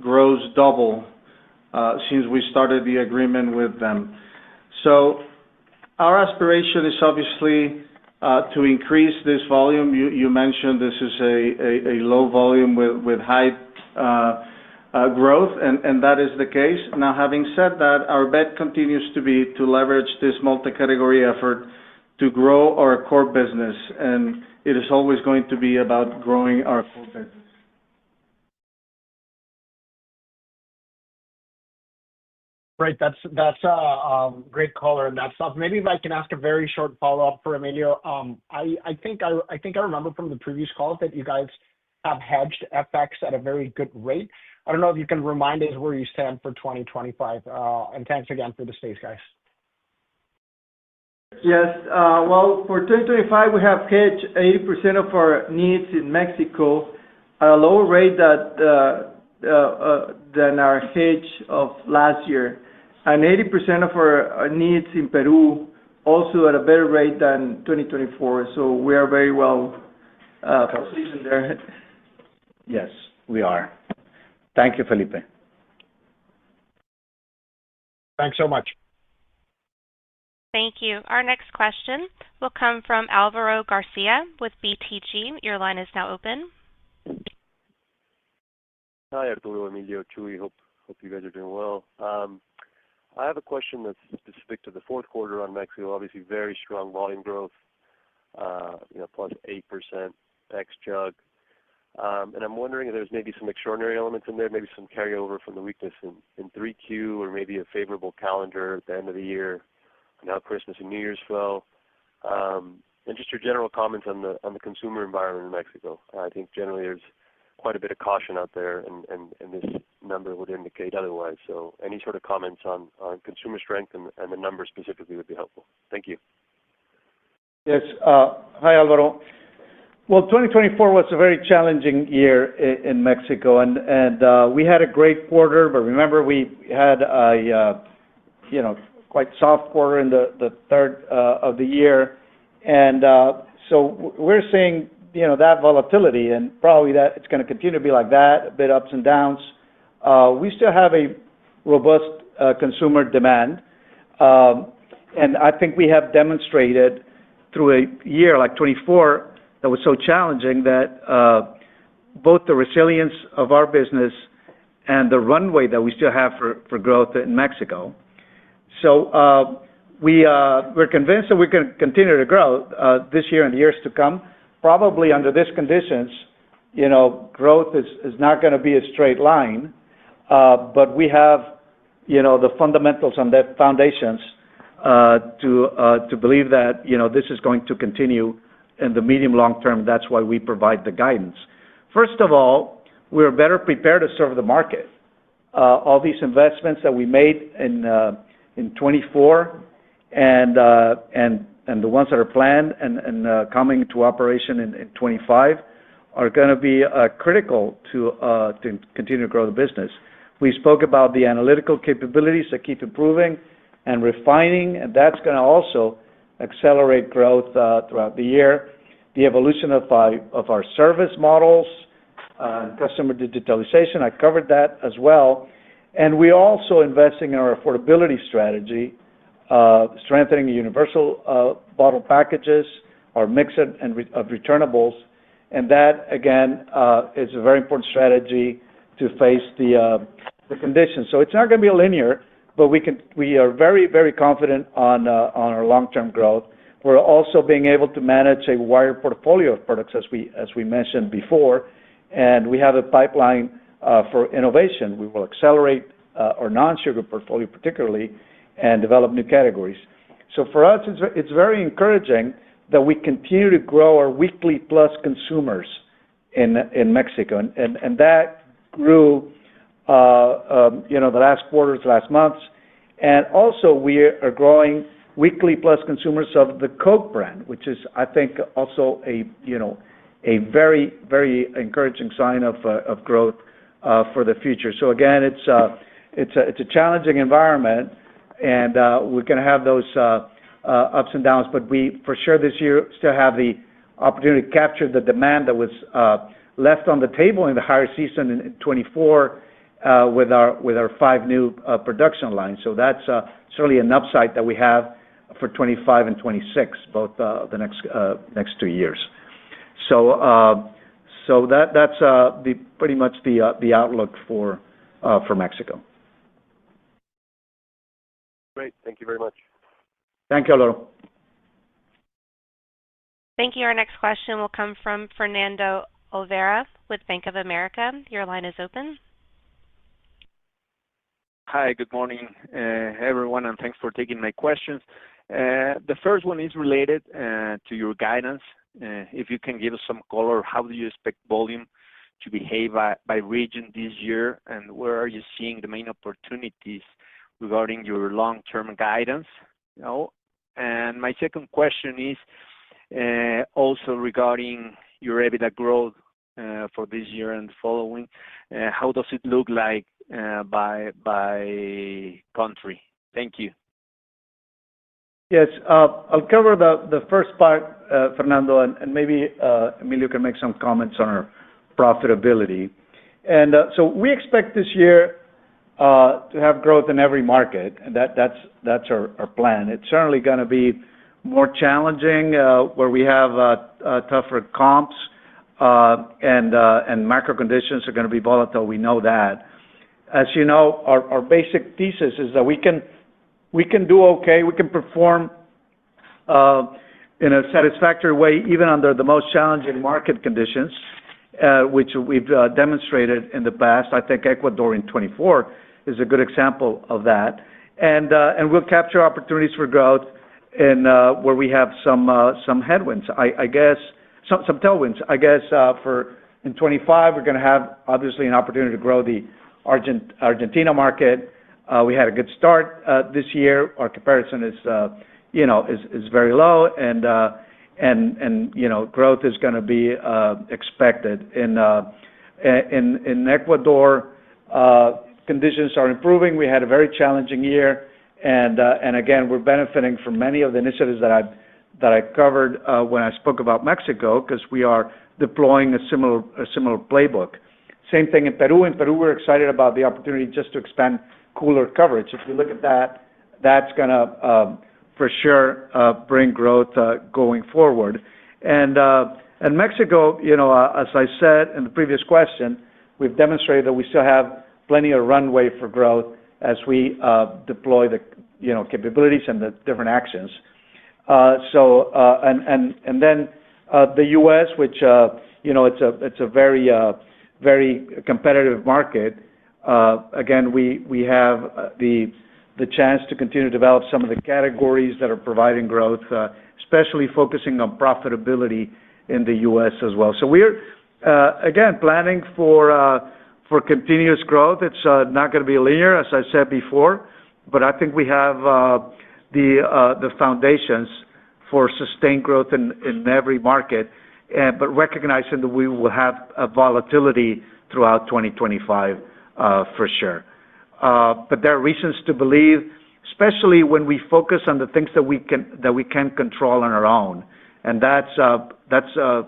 H: grows double since we started the agreement with them. Our aspiration is obviously to increase this volume. You mentioned this is a low volume with high growth, and that is the case. Now, having said that, our bet continues to be to leverage this multi-category effort to grow our core business. It is always going to be about growing our core business.
G: Great. That's a great call. That's maybe if I can ask a very short follow-up for Emilio. I think I remember from the previous calls that you guys have hedged FX at a very good rate. I don't know if you can remind us where you stand for 2025. And thanks again for the space, guys.
D: Yes. Well, for 2025, we have hedged 80% of our needs in Mexico at a lower rate than our hedge of last year. And 80% of our needs in Peru also at a better rate than 2024. So we are very well positioned there.
C: Yes, we are. Thank you, Felipe.
G: Thanks so much.
A: Thank you. Our next question will come from Álvaro García with BTG. Your line is now open.
I: Hi, Arturo, Emilio, Jesús. Hope you guys are doing well. I have a question that's specific to the fourth quarter on Mexico. Obviously, very strong volume growth, plus 8% ex-jug. And I'm wondering if there's maybe some extraordinary elements in there, maybe some carryover from the weakness in 3Q or maybe a favorable calendar at the end of the year. Now Christmas and New Year's fell. And just your general comments on the consumer environment in Mexico. I think generally there's quite a bit of caution out there, and this number would indicate otherwise. So any sort of comments on consumer strength and the number specifically would be helpful. Thank you.
C: Yes. Hi, Álvaro. Well, 2024 was a very challenging year in Mexico. And we had a great quarter, but remember we had a quite soft quarter in the third of the year. And so we're seeing that volatility and probably that it's going to continue to be like that, a bit ups and downs. We still have a robust consumer demand. And I think we have demonstrated through a year like 2024 that was so challenging that both the resilience of our business and the runway that we still have for growth in Mexico. So we're convinced that we're going to continue to grow this year and the years to come. Probably under these conditions, growth is not going to be a straight line. But we have the fundamentals and the foundations to believe that this is going to continue in the medium-long term. That's why we provide the guidance. First of all, we are better prepared to serve the market. All these investments that we made in 2024 and the ones that are planned and coming to operation in 2025 are going to be critical to continue to grow the business. We spoke about the analytical capabilities that keep improving and refining, and that's going to also accelerate growth throughout the year. The evolution of our service models and customer digitalization, I covered that as well. And we're also investing in our affordability strategy, strengthening universal bottle packages, our mix of returnables. And that, again, is a very important strategy to face the conditions. So it's not going to be linear, but we are very, very confident on our long-term growth. We're also being able to manage a wider portfolio of products, as we mentioned before. And we have a pipeline for innovation. We will accelerate our non-sugar portfolio particularly and develop new categories. So for us, it's very encouraging that we continue to grow our weekly plus consumers in Mexico. And that grew the last quarters, last months. And also, we are growing weekly plus consumers of the Coke brand, which is, I think, also a very, very encouraging sign of growth for the future. So again, it's a challenging environment, and we're going to have those ups and downs. But we, for sure, this year still have the opportunity to capture the demand that was left on the table in the higher season in 2024 with our five new production lines. So that's certainly an upside that we have for 2025 and 2026, both the next two years. So that's pretty much the outlook for Mexico.
I: Great. Thank you very much.
C: Thank you, Álvaro.
A: Thank you. Our next question will come from Fernando Olvera with Bank of America. Your line is open.
J: Hi, good morning. Hey, everyone, and thanks for taking my questions. The first one is related to your guidance. If you can give us some color, how do you expect volume to behave by region this year? And where are you seeing the main opportunities regarding your long-term guidance? And my second question is also regarding your EBITDA growth for this year and following. How does it look like by country? Thank you.
C: Yes. I'll cover the first part, Fernando, and maybe Emilio can make some comments on our profitability. And so we expect this year to have growth in every market, and that's our plan. It's certainly going to be more challenging where we have tougher comps, and macro conditions are going to be volatile. We know that. As you know, our basic thesis is that we can do okay. We can perform in a satisfactory way even under the most challenging market conditions, which we've demonstrated in the past. I think Ecuador in 2024 is a good example of that. And we'll capture opportunities for growth where we have some headwinds, I guess, some tailwinds. I guess in 2025, we're going to have obviously an opportunity to grow the Argentina market. We had a good start this year. Our comparison is very low, and growth is going to be expected. And in Ecuador, conditions are improving. We had a very challenging year. And again, we're benefiting from many of the initiatives that I covered when I spoke about Mexico because we are deploying a similar playbook. Same thing in Peru. In Peru, we're excited about the opportunity just to expand cooler coverage. If you look at that, that's going to, for sure, bring growth going forward. And Mexico, as I said in the previous question, we've demonstrated that we still have plenty of runway for growth as we deploy the capabilities and the different actions. And then the U.S., which it's a very competitive market. Again, we have the chance to continue to develop some of the categories that are providing growth, especially focusing on profitability in the U.S. as well. So we're, again, planning for continuous growth. It's not going to be linear, as I said before, but I think we have the foundations for sustained growth in every market, but recognizing that we will have volatility throughout 2025 for sure. But there are reasons to believe, especially when we focus on the things that we can control on our own. And that's the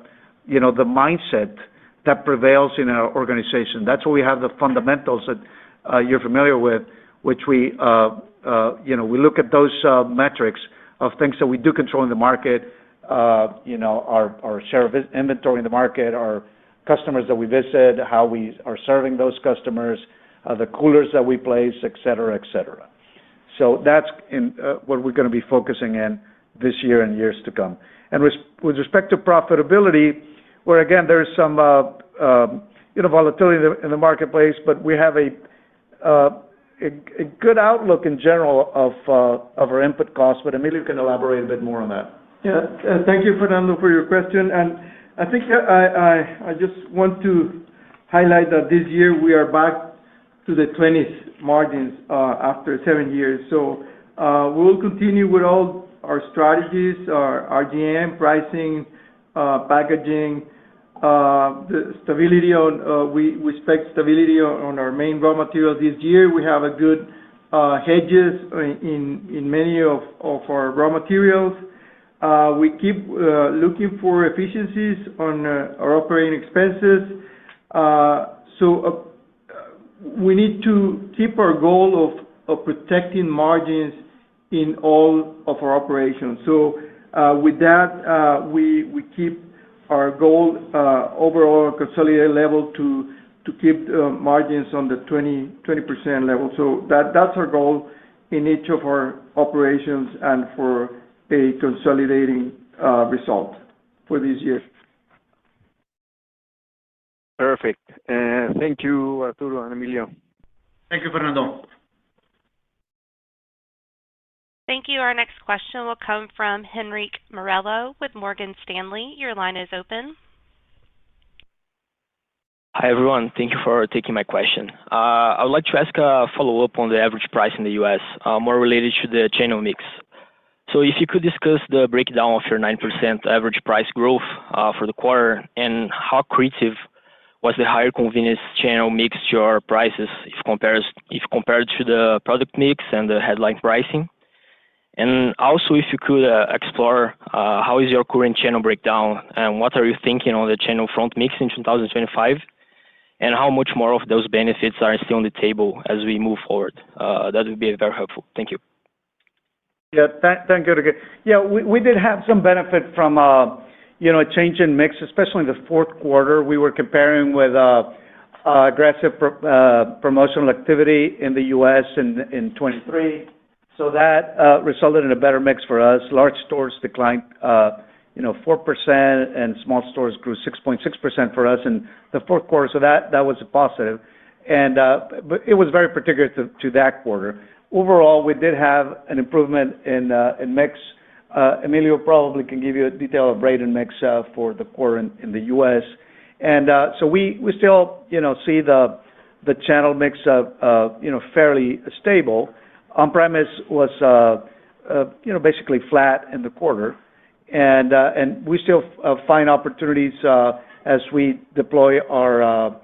C: mindset that prevails in our organization. That's why we have the fundamentals that you're familiar with, which we look at those metrics of things that we do control in the market, our share of inventory in the market, our customers that we visit, how we are serving those customers, the coolers that we place, etc., etc. So that's what we're going to be focusing in this year and years to come, and with respect to profitability, where again, there's some volatility in the marketplace, but we have a good outlook in general of our input costs. But Emilio can elaborate a bit more on that.
D: Yeah. Thank you, Fernando, for your question, and I think I just want to highlight that this year we are back to the 20% margins after seven years. So we'll continue with all our strategies, our RGM, pricing, packaging, the stability on we expect stability on our main raw materials this year. We have good hedges in many of our raw materials. We keep looking for efficiencies on our operating expenses. So we need to keep our goal of protecting margins in all of our operations. So with that, we keep our goal overall consolidated level to keep the margins on the 20% level. So that's our goal in each of our operations and for a consolidating result for this year.
J: Perfect. Thank you, Arturo and Emilio.
D: Thank you, Fernando.
A: Thank you. Our next question will come from Henrique Morello with Morgan Stanley. Your line is open. Hi, everyone. Thank you for taking my question. I would like to ask a follow-up on the average price in the U.S., more related to the channel mix. So if you could discuss the breakdown of your 9% average price growth for the quarter and how accretive was the higher convenience channel mix to your prices if compared to the product mix and the headline pricing? And also, if you could explore how is your current channel breakdown and what are you thinking on the channel front mix in 2025 and how much more of those benefits are still on the table as we move forward. That would be very helpful. Thank you.
C: Yeah. Thank you, Henrique. Yeah. We did have some benefit from a change in mix, especially in the fourth quarter. We were comparing with aggressive promotional activity in the U.S. in 2023. So that resulted in a better mix for us. Large stores declined 4%, and small stores grew 6.6% for us in the fourth quarter. So that was a positive. And it was very particular to that quarter. Overall, we did have an improvement in mix. Emilio probably can give you a detail of brand mix for the quarter in the U.S. And so we still see the channel mix fairly stable. On-premise was basically flat in the quarter. And we still find opportunities as we deploy our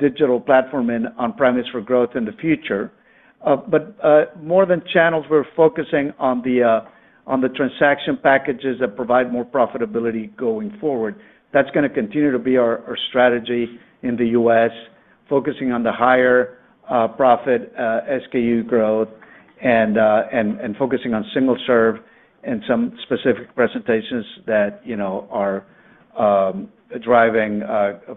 C: digital platform on-premise for growth in the future. But more than channels, we're focusing on the transaction packages that provide more profitability going forward. That's going to continue to be our strategy in the U.S., focusing on the higher profit SKU growth and focusing on single serve and some specific presentations that are driving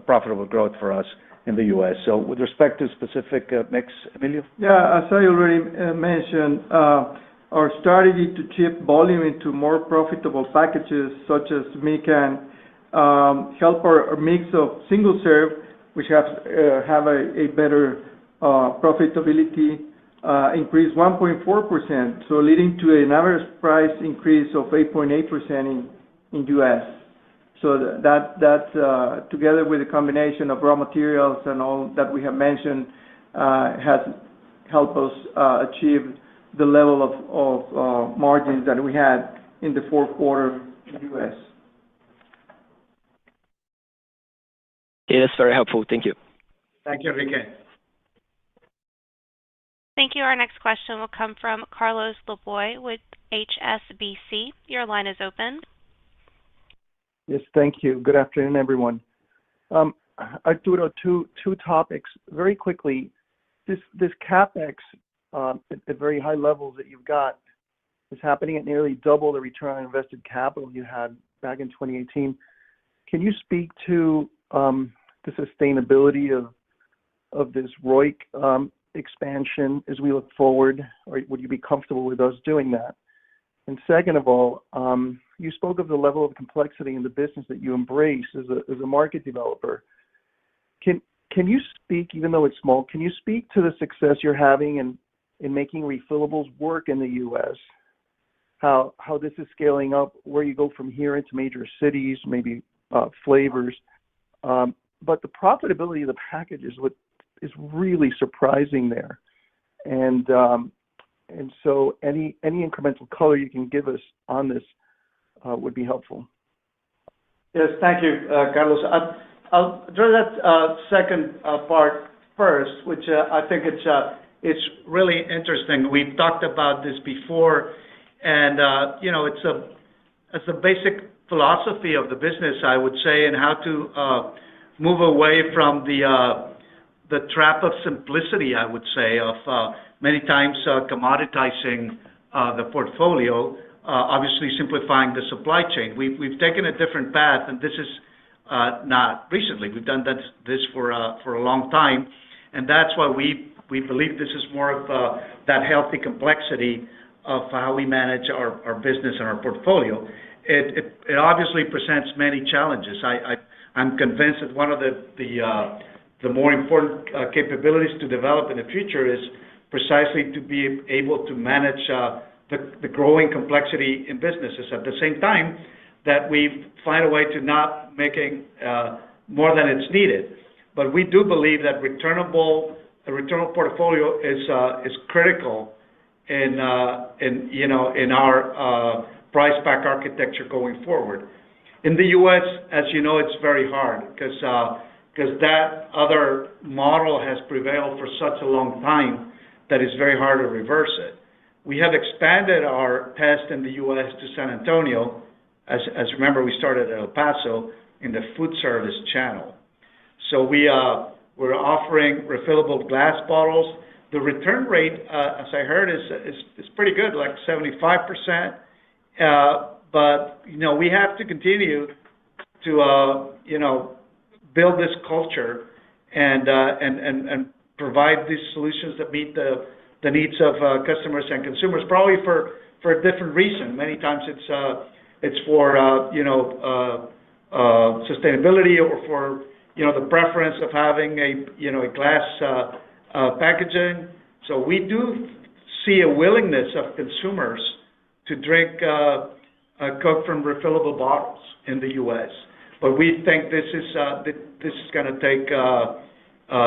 C: profitable growth for us in the U.S. So with respect to specific mix, Emilio?
D: Yeah. As I already mentioned, our strategy to shift volume into more profitable packages such as Mican help our mix of single serve, which have a better profitability, increased 1.4%, so leading to an average price increase of 8.8% in the U.S. So that, together with the combination of raw materials and all that we have mentioned, has helped us achieve the level of margins that we had in the fourth quarter in the U.S. It is very helpful. Thank you. Thank you, Enrique.
A: Thank you. Our next question will come from Carlos Laboy with HSBC. Your line is open.
K: Yes. Thank you. Good afternoon, everyone. Arturo, two topics. Very quickly, this CapEx at very high levels that you've got is happening at nearly double the return on invested capital you had back in 2018. Can you speak to the sustainability of this ROIC expansion as we look forward? Would you be comfortable with us doing that? And second of all, you spoke of the level of complexity in the business that you embrace as a market developer. Can you speak, even though it's small, can you speak to the success you're having in making refillables work in the U.S., how this is scaling up, where you go from here into major cities, maybe flavors? But the profitability of the package is really surprising there. And so any incremental color you can give us on this would be helpful.
C: Yes. Thank you, Carlos. I'll address that second part first, which I think it's really interesting. We've talked about this before. And it's a basic philosophy of the business, I would say, and how to move away from the trap of simplicity, I would say, of many times commoditizing the portfolio, obviously simplifying the supply chain. We've taken a different path, and this is not recently. We've done this for a long time. And that's why we believe this is more of that healthy complexity of how we manage our business and our portfolio. It obviously presents many challenges. I'm convinced that one of the more important capabilities to develop in the future is precisely to be able to manage the growing complexity in business. It's at the same time that we find a way to not make more than it's needed. But we do believe that a returnable portfolio is critical in our price-pack architecture going forward. In the U.S., as you know, it's very hard because that other model has prevailed for such a long time that it's very hard to reverse it. We have expanded our test in the U.S. to San Antonio. As you remember, we started at El Paso in the food service channel, so we're offering refillable glass bottles. The return rate, as I heard, is pretty good, like 75%. But we have to continue to build this culture and provide these solutions that meet the needs of customers and consumers, probably for a different reason. Many times it's for sustainability or for the preference of having a glass packaging, so we do see a willingness of consumers to drink a cup from refillable bottles in the U.S., but we think this is going to take a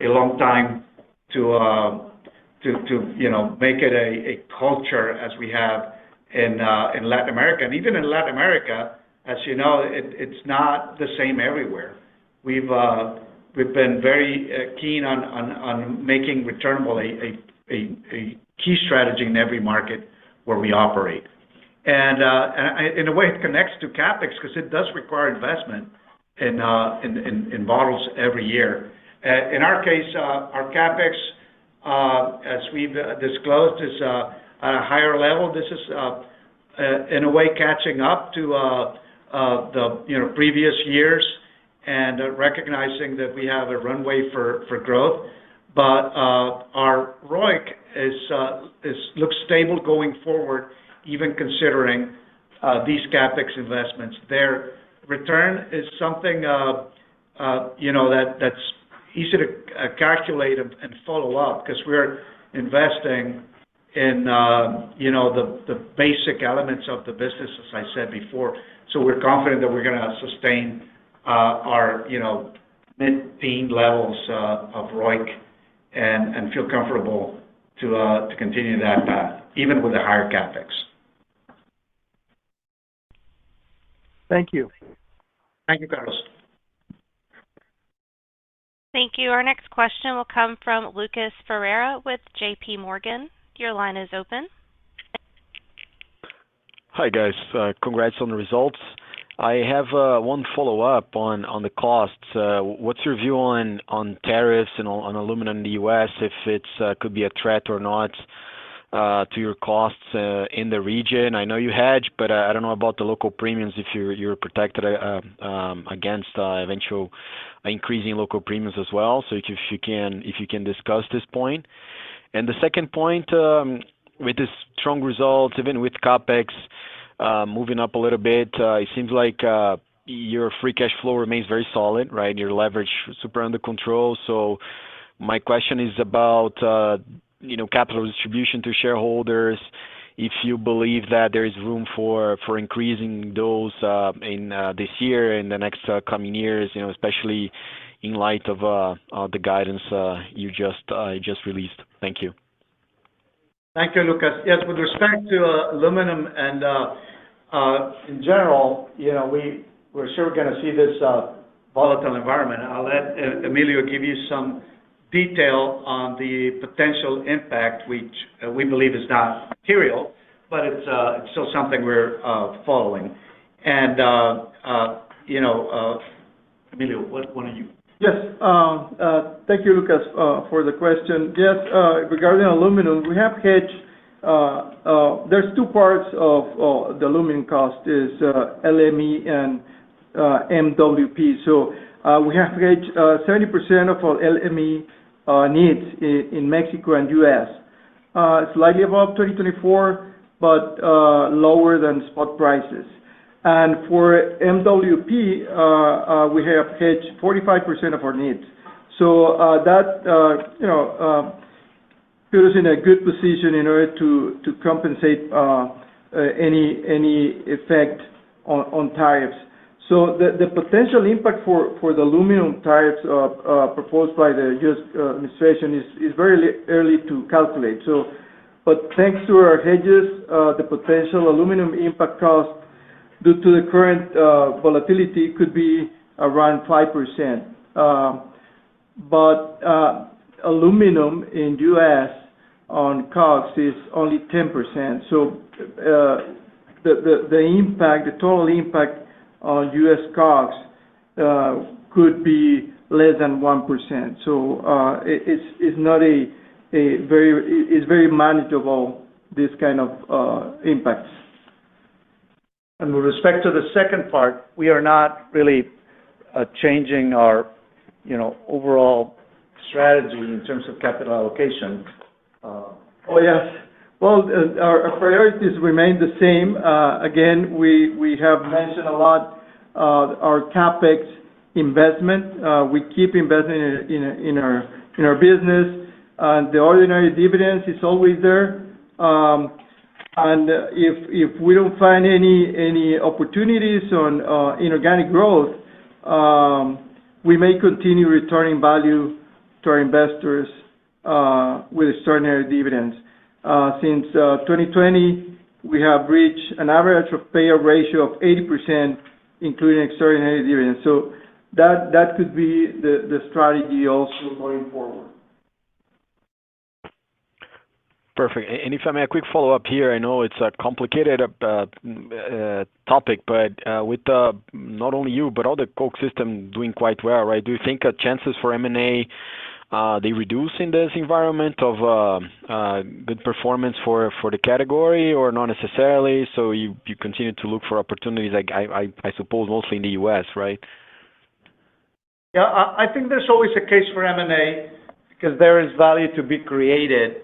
C: long time to make it a culture as we have in Latin America, and even in Latin America, as you know, it's not the same everywhere. We've been very keen on making returnable a key strategy in every market where we operate. And in a way, it connects to CapEx because it does require investment in bottles every year. In our case, our CapEx, as we've disclosed, is at a higher level. This is, in a way, catching up to the previous years and recognizing that we have a runway for growth. But our ROIC looks stable going forward, even considering these CapEx investments. Their return is something that's easy to calculate and follow up because we're investing in the basic elements of the business, as I said before. So we're confident that we're going to sustain our mid-teen levels of ROIC and feel comfortable to continue that path, even with a higher CapEx.
K: Thank you.
C: Thank you, Carlos.
A: Thank you. Our next question will come from Lucas Ferreira with JP Morgan. Your line is open. Hi, guys.
L: Congrats on the results. I have one follow-up on the costs. What's your view on tariffs and on aluminum in the U.S., if it could be a threat or not to your costs in the region? I know you hedge, but I don't know about the local premiums if you're protected against eventual increasing local premiums as well. So if you can discuss this point. And the second point, with the strong results, even with CapEx moving up a little bit, it seems like your free cash flow remains very solid, right? Your leverage is super under control. So my question is about capital distribution to shareholders, if you believe that there is room for increasing those this year and the next coming years, especially in light of the guidance you just released. Thank you.
C: Thank you, Lucas. Yes. With respect to aluminum and in general, we're sure we're going to see this volatile environment. I'll let Emilio give you some detail on the potential impact, which we believe is not material, but it's still something we're following. And Emilio, what do you?
D: Yes. Thank you, Lucas, for the question. Yes. Regarding aluminum, we have hedged. There's two parts of the aluminum cost: LME and MWP. So we have hedged 70% of our LME needs in Mexico and U.S. It's slightly above 2024, but lower than spot prices. And for MWP, we have hedged 45% of our needs. So that put us in a good position in order to compensate any effect on tariffs. So the potential impact for the aluminum tariffs proposed by the U.S. administration is very early to calculate. But thanks to our hedges, the potential aluminum impact cost due to the current volatility could be around 5%. But aluminum in the U.S. on COGS is only 10%. So the total impact on U.S. COGS could be less than 1%. So it's not a very manageable, this kind of impact.
C: And with respect to the second part, we are not really changing our overall strategy in terms of capital allocation.
D: Oh, yes. Well, our priorities remain the same. Again, we have mentioned a lot our CapEx investment. We keep investing in our business. The ordinary dividends are always there. And if we don't find any opportunities in organic growth, we may continue returning value to our investors with extraordinary dividends. Since 2020, we have reached an average payout ratio of 80%, including extraordinary dividends. So that could be the strategy also going forward.
L: Perfect. And if I may, a quick follow-up here. I know it's a complicated topic, but with not only you, but other Coke systems doing quite well, right? Do you think chances for M&A, they reduce in this environment of good performance for the category or not necessarily? So you continue to look for opportunities, I suppose, mostly in the U.S., right?
D: Yeah. I think there's always a case for M&A because there is value to be created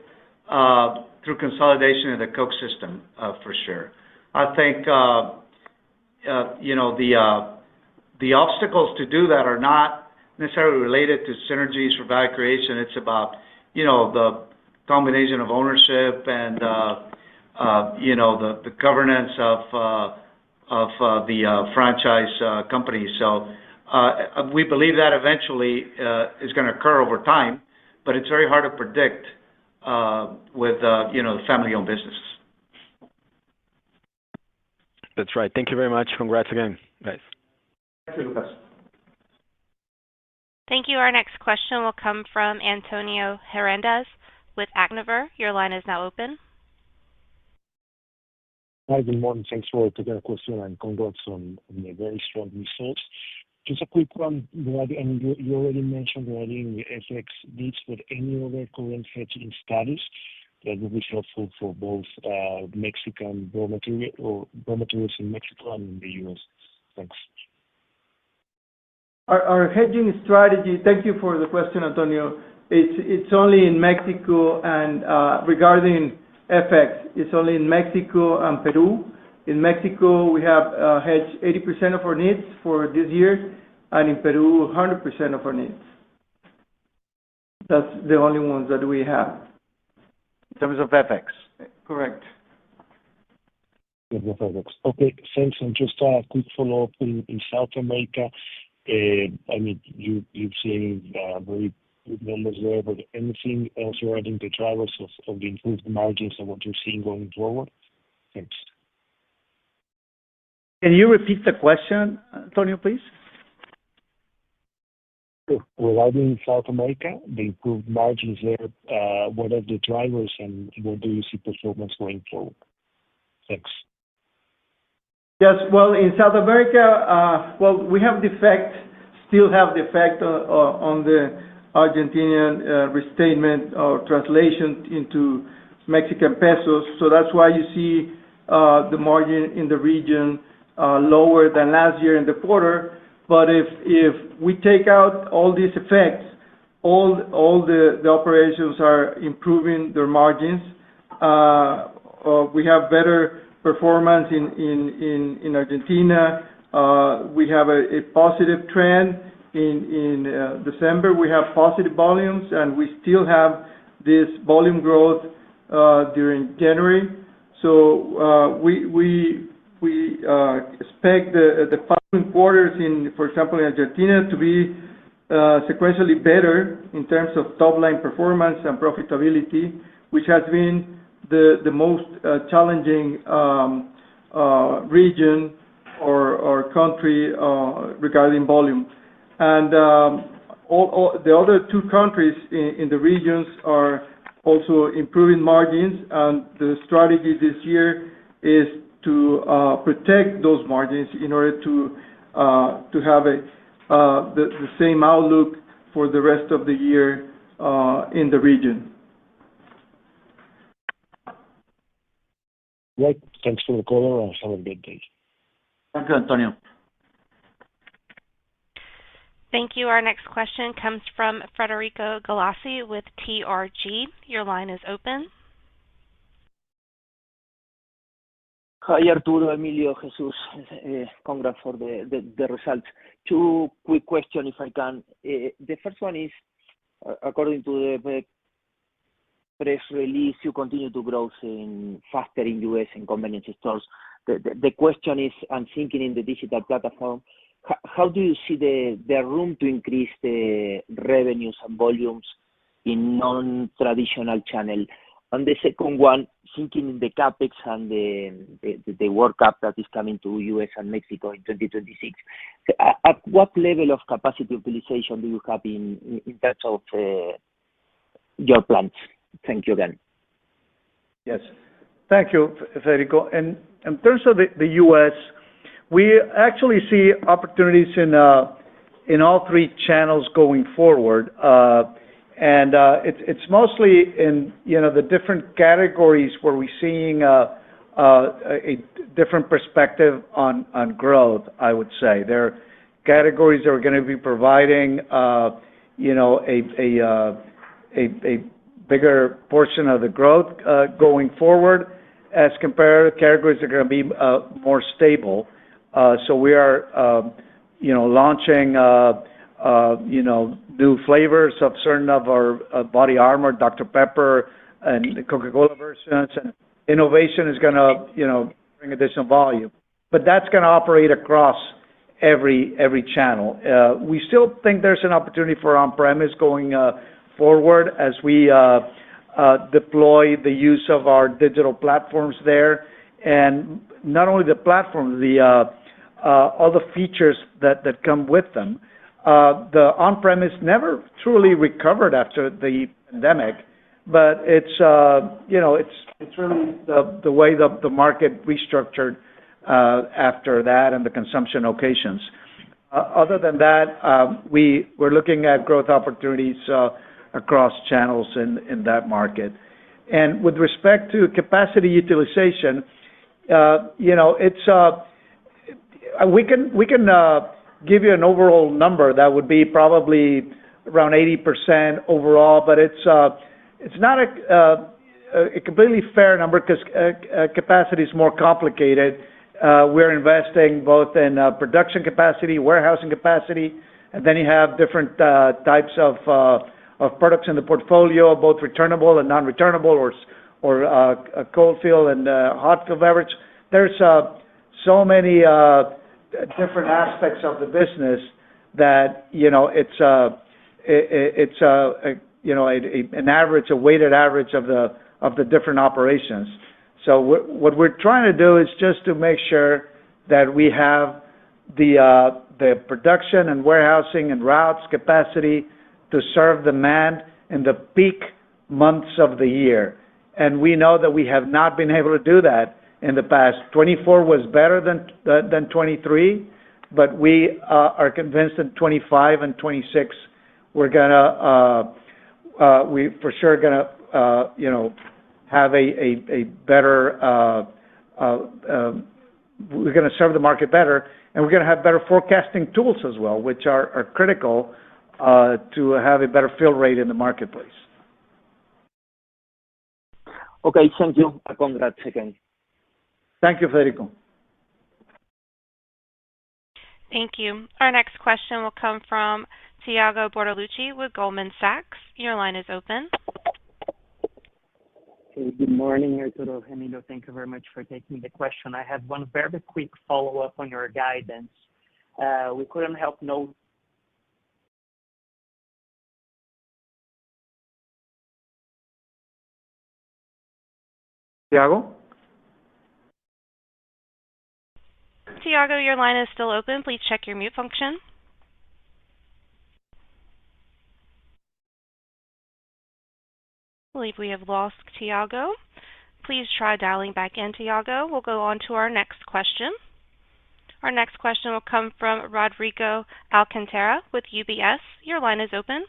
D: through consolidation of the Coke system, for sure. I think the obstacles to do that are not necessarily related to synergies for value creation. It's about the combination of ownership and the governance of the franchise company. So we believe that eventually is going to occur over time, but it's very hard to predict with family-owned businesses.
L: That's right. Thank you very much. Congrats again. Thanks.
D: Thank you, Lucas.
A: Thank you. Our next question will come from Antonio Hernández with Actinver. Your line is now open.
M: Hi, good morning. Thanks for taking a question and congrats on a very strong response. Just a quick one. You already mentioned in the FX deals, but any other current hedging studies that would be helpful for both Mexican raw materials in Mexico and in the U.S.? Thanks.
D: Our hedging strategy, thank you for the question, Antonio. It's only in Mexico. And regarding FX, it's only in Mexico and Peru. In Mexico, we have hedged 80% of our needs for this year. And in Peru, 100% of our needs. That's the only ones that we have.
M: In terms of FX?
D: Correct.
M: Okay. Thanks. And just a quick follow-up. In South America, I mean, you've seen very good numbers there. But anything else regarding the drivers of the improved margins and what you're seeing going forward? Thanks.
D: Can you repeat the question, Antonio, please?
M: Regarding South America, the improved margins there, what are the drivers, and what do you see performance going forward? Thanks.
D: Yes. Well, in South America, we have the effect, still have the effect on the Argentinian restatement or translation into Mexican pesos. So that's why you see the margin in the region lower than last year in the quarter. But if we take out all these effects, all the operations are improving their margins. We have better performance in Argentina. We have a positive trend. In December, we have positive volumes, and we still have this volume growth during January. So we expect the following quarters, for example, in Argentina, to be sequentially better in terms of top-line performance and profitability, which has been the most challenging region or country regarding volume. And the other two countries in the regions are also improving margins. And the strategy this year is to protect those margins in order to have the same outlook for the rest of the year in the region.
M: Right. Thanks for the call. Have a good day.
C: Thank you, Antonio.
A: Thank you. Our next question comes from Federico Galassi with TRG. Your line is open.
N: Hi Arturo, Emilio, Jesús. Congrats for the results. Two quick questions, if I can. The first one is, according to the press release, you continue to grow faster in the U.S. in convenience stores. The question is, I'm thinking in the digital platform, how do you see the room to increase the revenues and volumes in non-traditional channels? And the second one, thinking in the CapEx and the World Cup that is coming to the U.S. and Mexico in 2026, at what level of capacity utilization do you have in terms of your plans? Thank you again.
C: Yes. Thank you, Federico. And in terms of the U.S., we actually see opportunities in all three channels going forward. And it's mostly in the different categories where we're seeing a different perspective on growth, I would say. There are categories that are going to be providing a bigger portion of the growth going forward as compared to categories that are going to be more stable. So we are launching new flavors of certain of our BODYARMOR, Dr Pepper and Coca-Cola versions. And innovation is going to bring additional volume. But that's going to operate across every channel. We still think there's an opportunity for on-premise going forward as we deploy the use of our digital platforms there. And not only the platform, the other features that come with them. The on-premise never truly recovered after the pandemic, but it's really the way the market restructured after that and the consumption locations. Other than that, we're looking at growth opportunities across channels in that market. And with respect to capacity utilization, we can give you an overall number that would be probably around 80% overall, but it's not a completely fair number because capacity is more complicated. We're investing both in production capacity, warehousing capacity, and then you have different types of products in the portfolio, both returnable and non-returnable, or cold fill and hot fill beverage. There's so many different aspects of the business that it's an average, a weighted average of the different operations. So what we're trying to do is just to make sure that we have the production and warehousing and routes capacity to serve demand in the peak months of the year. And we know that we have not been able to do that in the past. 2024 was better than 2023, but we are convinced in 2025 and 2026, we're going to, we're for sure going to have a better, we're going to serve the market better, and we're going to have better forecasting tools as well, which are critical to have a better fill rate in the marketplace.
N: Okay. Thank you. Congrats again.
C: Thank you, Federico.
A: Thank you. Our next question will come from Thiago Bortoluci with Goldman Sachs. Your line is open.
O: Hey, good morning. Arturo, Emilio, thank you very much for taking the question. I have one very quick follow-up on your guidance. We couldn't help no Tiago?
A: Tiago, your line is still open. Please check your mute function. I believe we have lost Tiago. Please try dialing back in, Tiago. We'll go on to our next question. Our next question will come from Rodrigo Alcantara with UBS. Your line is open.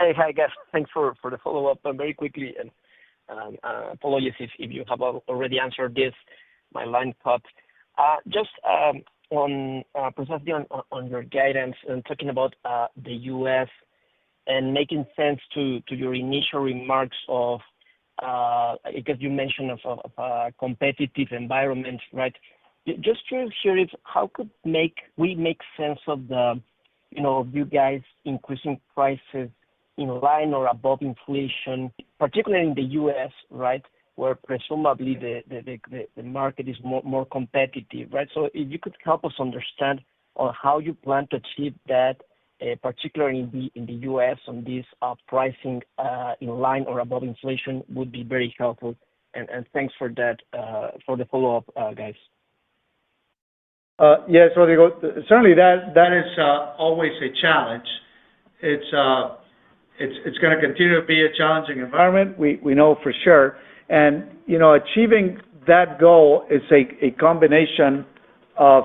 F: Hi, hi, guys. Thanks for the follow-up. Very quickly, and apologies if you have already answered this. My line cut. Just on your guidance, talking about the U.S. and making sense to your initial remarks of, I guess you mentioned of a competitive environment, right? Just curious, how could we make sense of you guys' increasing prices in line or above inflation, particularly in the U.S., right, where presumably the market is more competitive, right? So if you could help us understand how you plan to achieve that, particularly in the U.S., on this pricing in line or above inflation would be very helpful. And thanks for the follow-up, guys.
C: Yes, Rodrigo. Certainly, that is always a challenge. It's going to continue to be a challenging environment. We know for sure. Achieving that goal is a combination of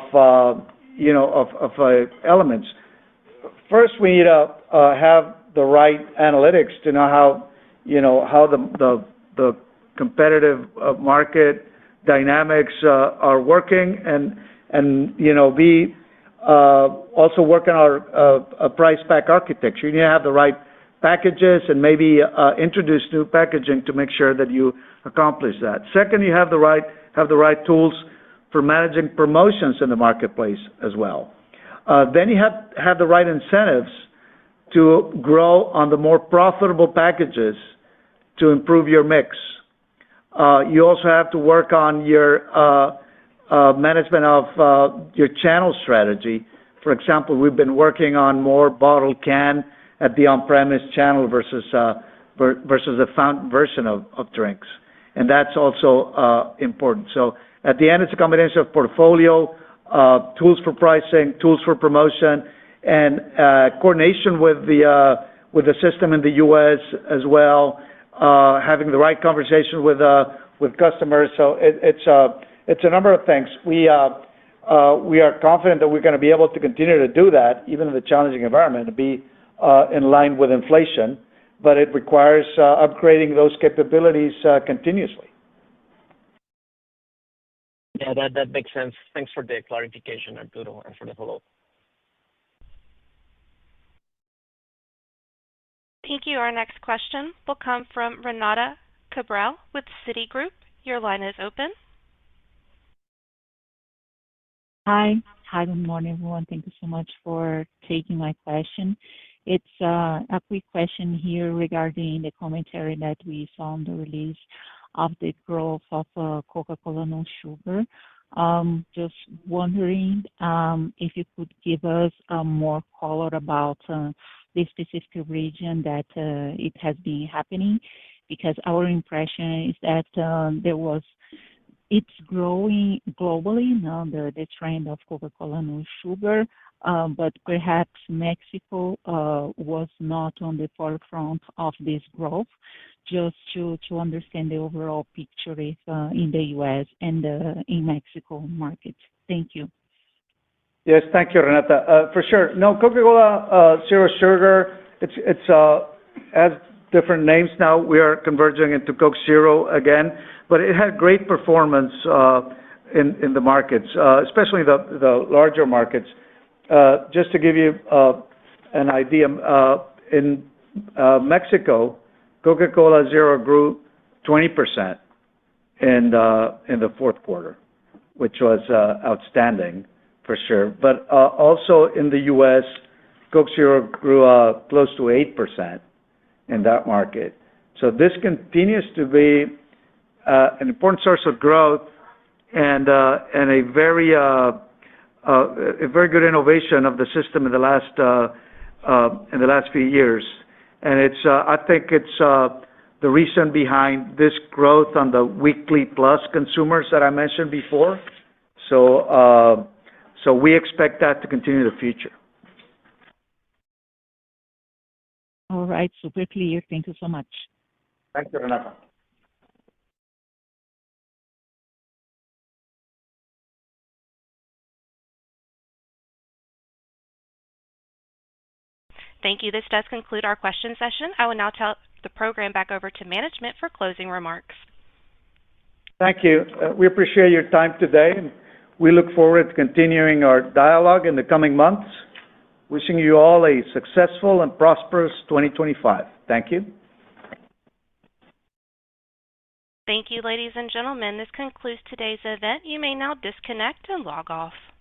C: elements. First, we need to have the right analytics to know how the competitive market dynamics are working and be also working on a price-pack architecture. You need to have the right packages and maybe introduce new packaging to make sure that you accomplish that. Second, you have the right tools for managing promotions in the marketplace as well. Then you have to have the right incentives to grow on the more profitable packages to improve your mix. You also have to work on your management of your channel strategy. For example, we've been working on more bottle and can at the on-premise channel versus a fountain version of drinks. And that's also important. So at the end, it's a combination of portfolio, tools for pricing, tools for promotion, and coordination with the system in the U.S. as well, having the right conversation with customers. So it's a number of things. We are confident that we're going to be able to continue to do that, even in the challenging environment, to be in line with inflation. But it requires upgrading those capabilities continuously.
F: Yeah, that makes sense. Thanks for the clarification, Arturo, and for the follow-up.
A: Thank you. Our next question will come from Renata Cabral with Citigroup. Your line is open.
P: Hi. Hi, good morning, everyone. Thank you so much for taking my question. It's a quick question here regarding the commentary that we saw on the release of the growth of Coca-Cola No Sugar. Just wondering if you could give us more color about the specific region that it has been happening because our impression is that it's growing globally, the trend of Coca-Cola No Sugar, but perhaps Mexico was not on the forefront of this growth. Just to understand the overall picture in the U.S. and in Mexico markets. Thank you.
C: Yes, thank you, Renata. For sure. No, Coca-Cola Zero Sugar, it's had different names now. We are converging into Coke Zero again, but it had great performance in the markets, especially the larger markets. Just to give you an idea, in Mexico, Coca-Cola Zero grew 20% in the fourth quarter, which was outstanding, for sure. But also in the U.S., Coke Zero grew close to 8% in that market, so this continues to be an important source of growth and a very good innovation of the system in the last few years. And I think it's the reason behind this growth on the weekly plus consumers that I mentioned before. So we expect that to continue in the future.
P: All right. Super clear. Thank you so much.
C: Thank you, Renata.
A: Thank you. This does conclude our question session. I will now hand the program back over to management for closing remarks.
C: Thank you. We appreciate your time today. And we look forward to continuing our dialogue in the coming months. Wishing you all a successful and prosperous 2025. Thank you. Thank you, ladies and gentlemen. This concludes today's event. You may now disconnect and log off.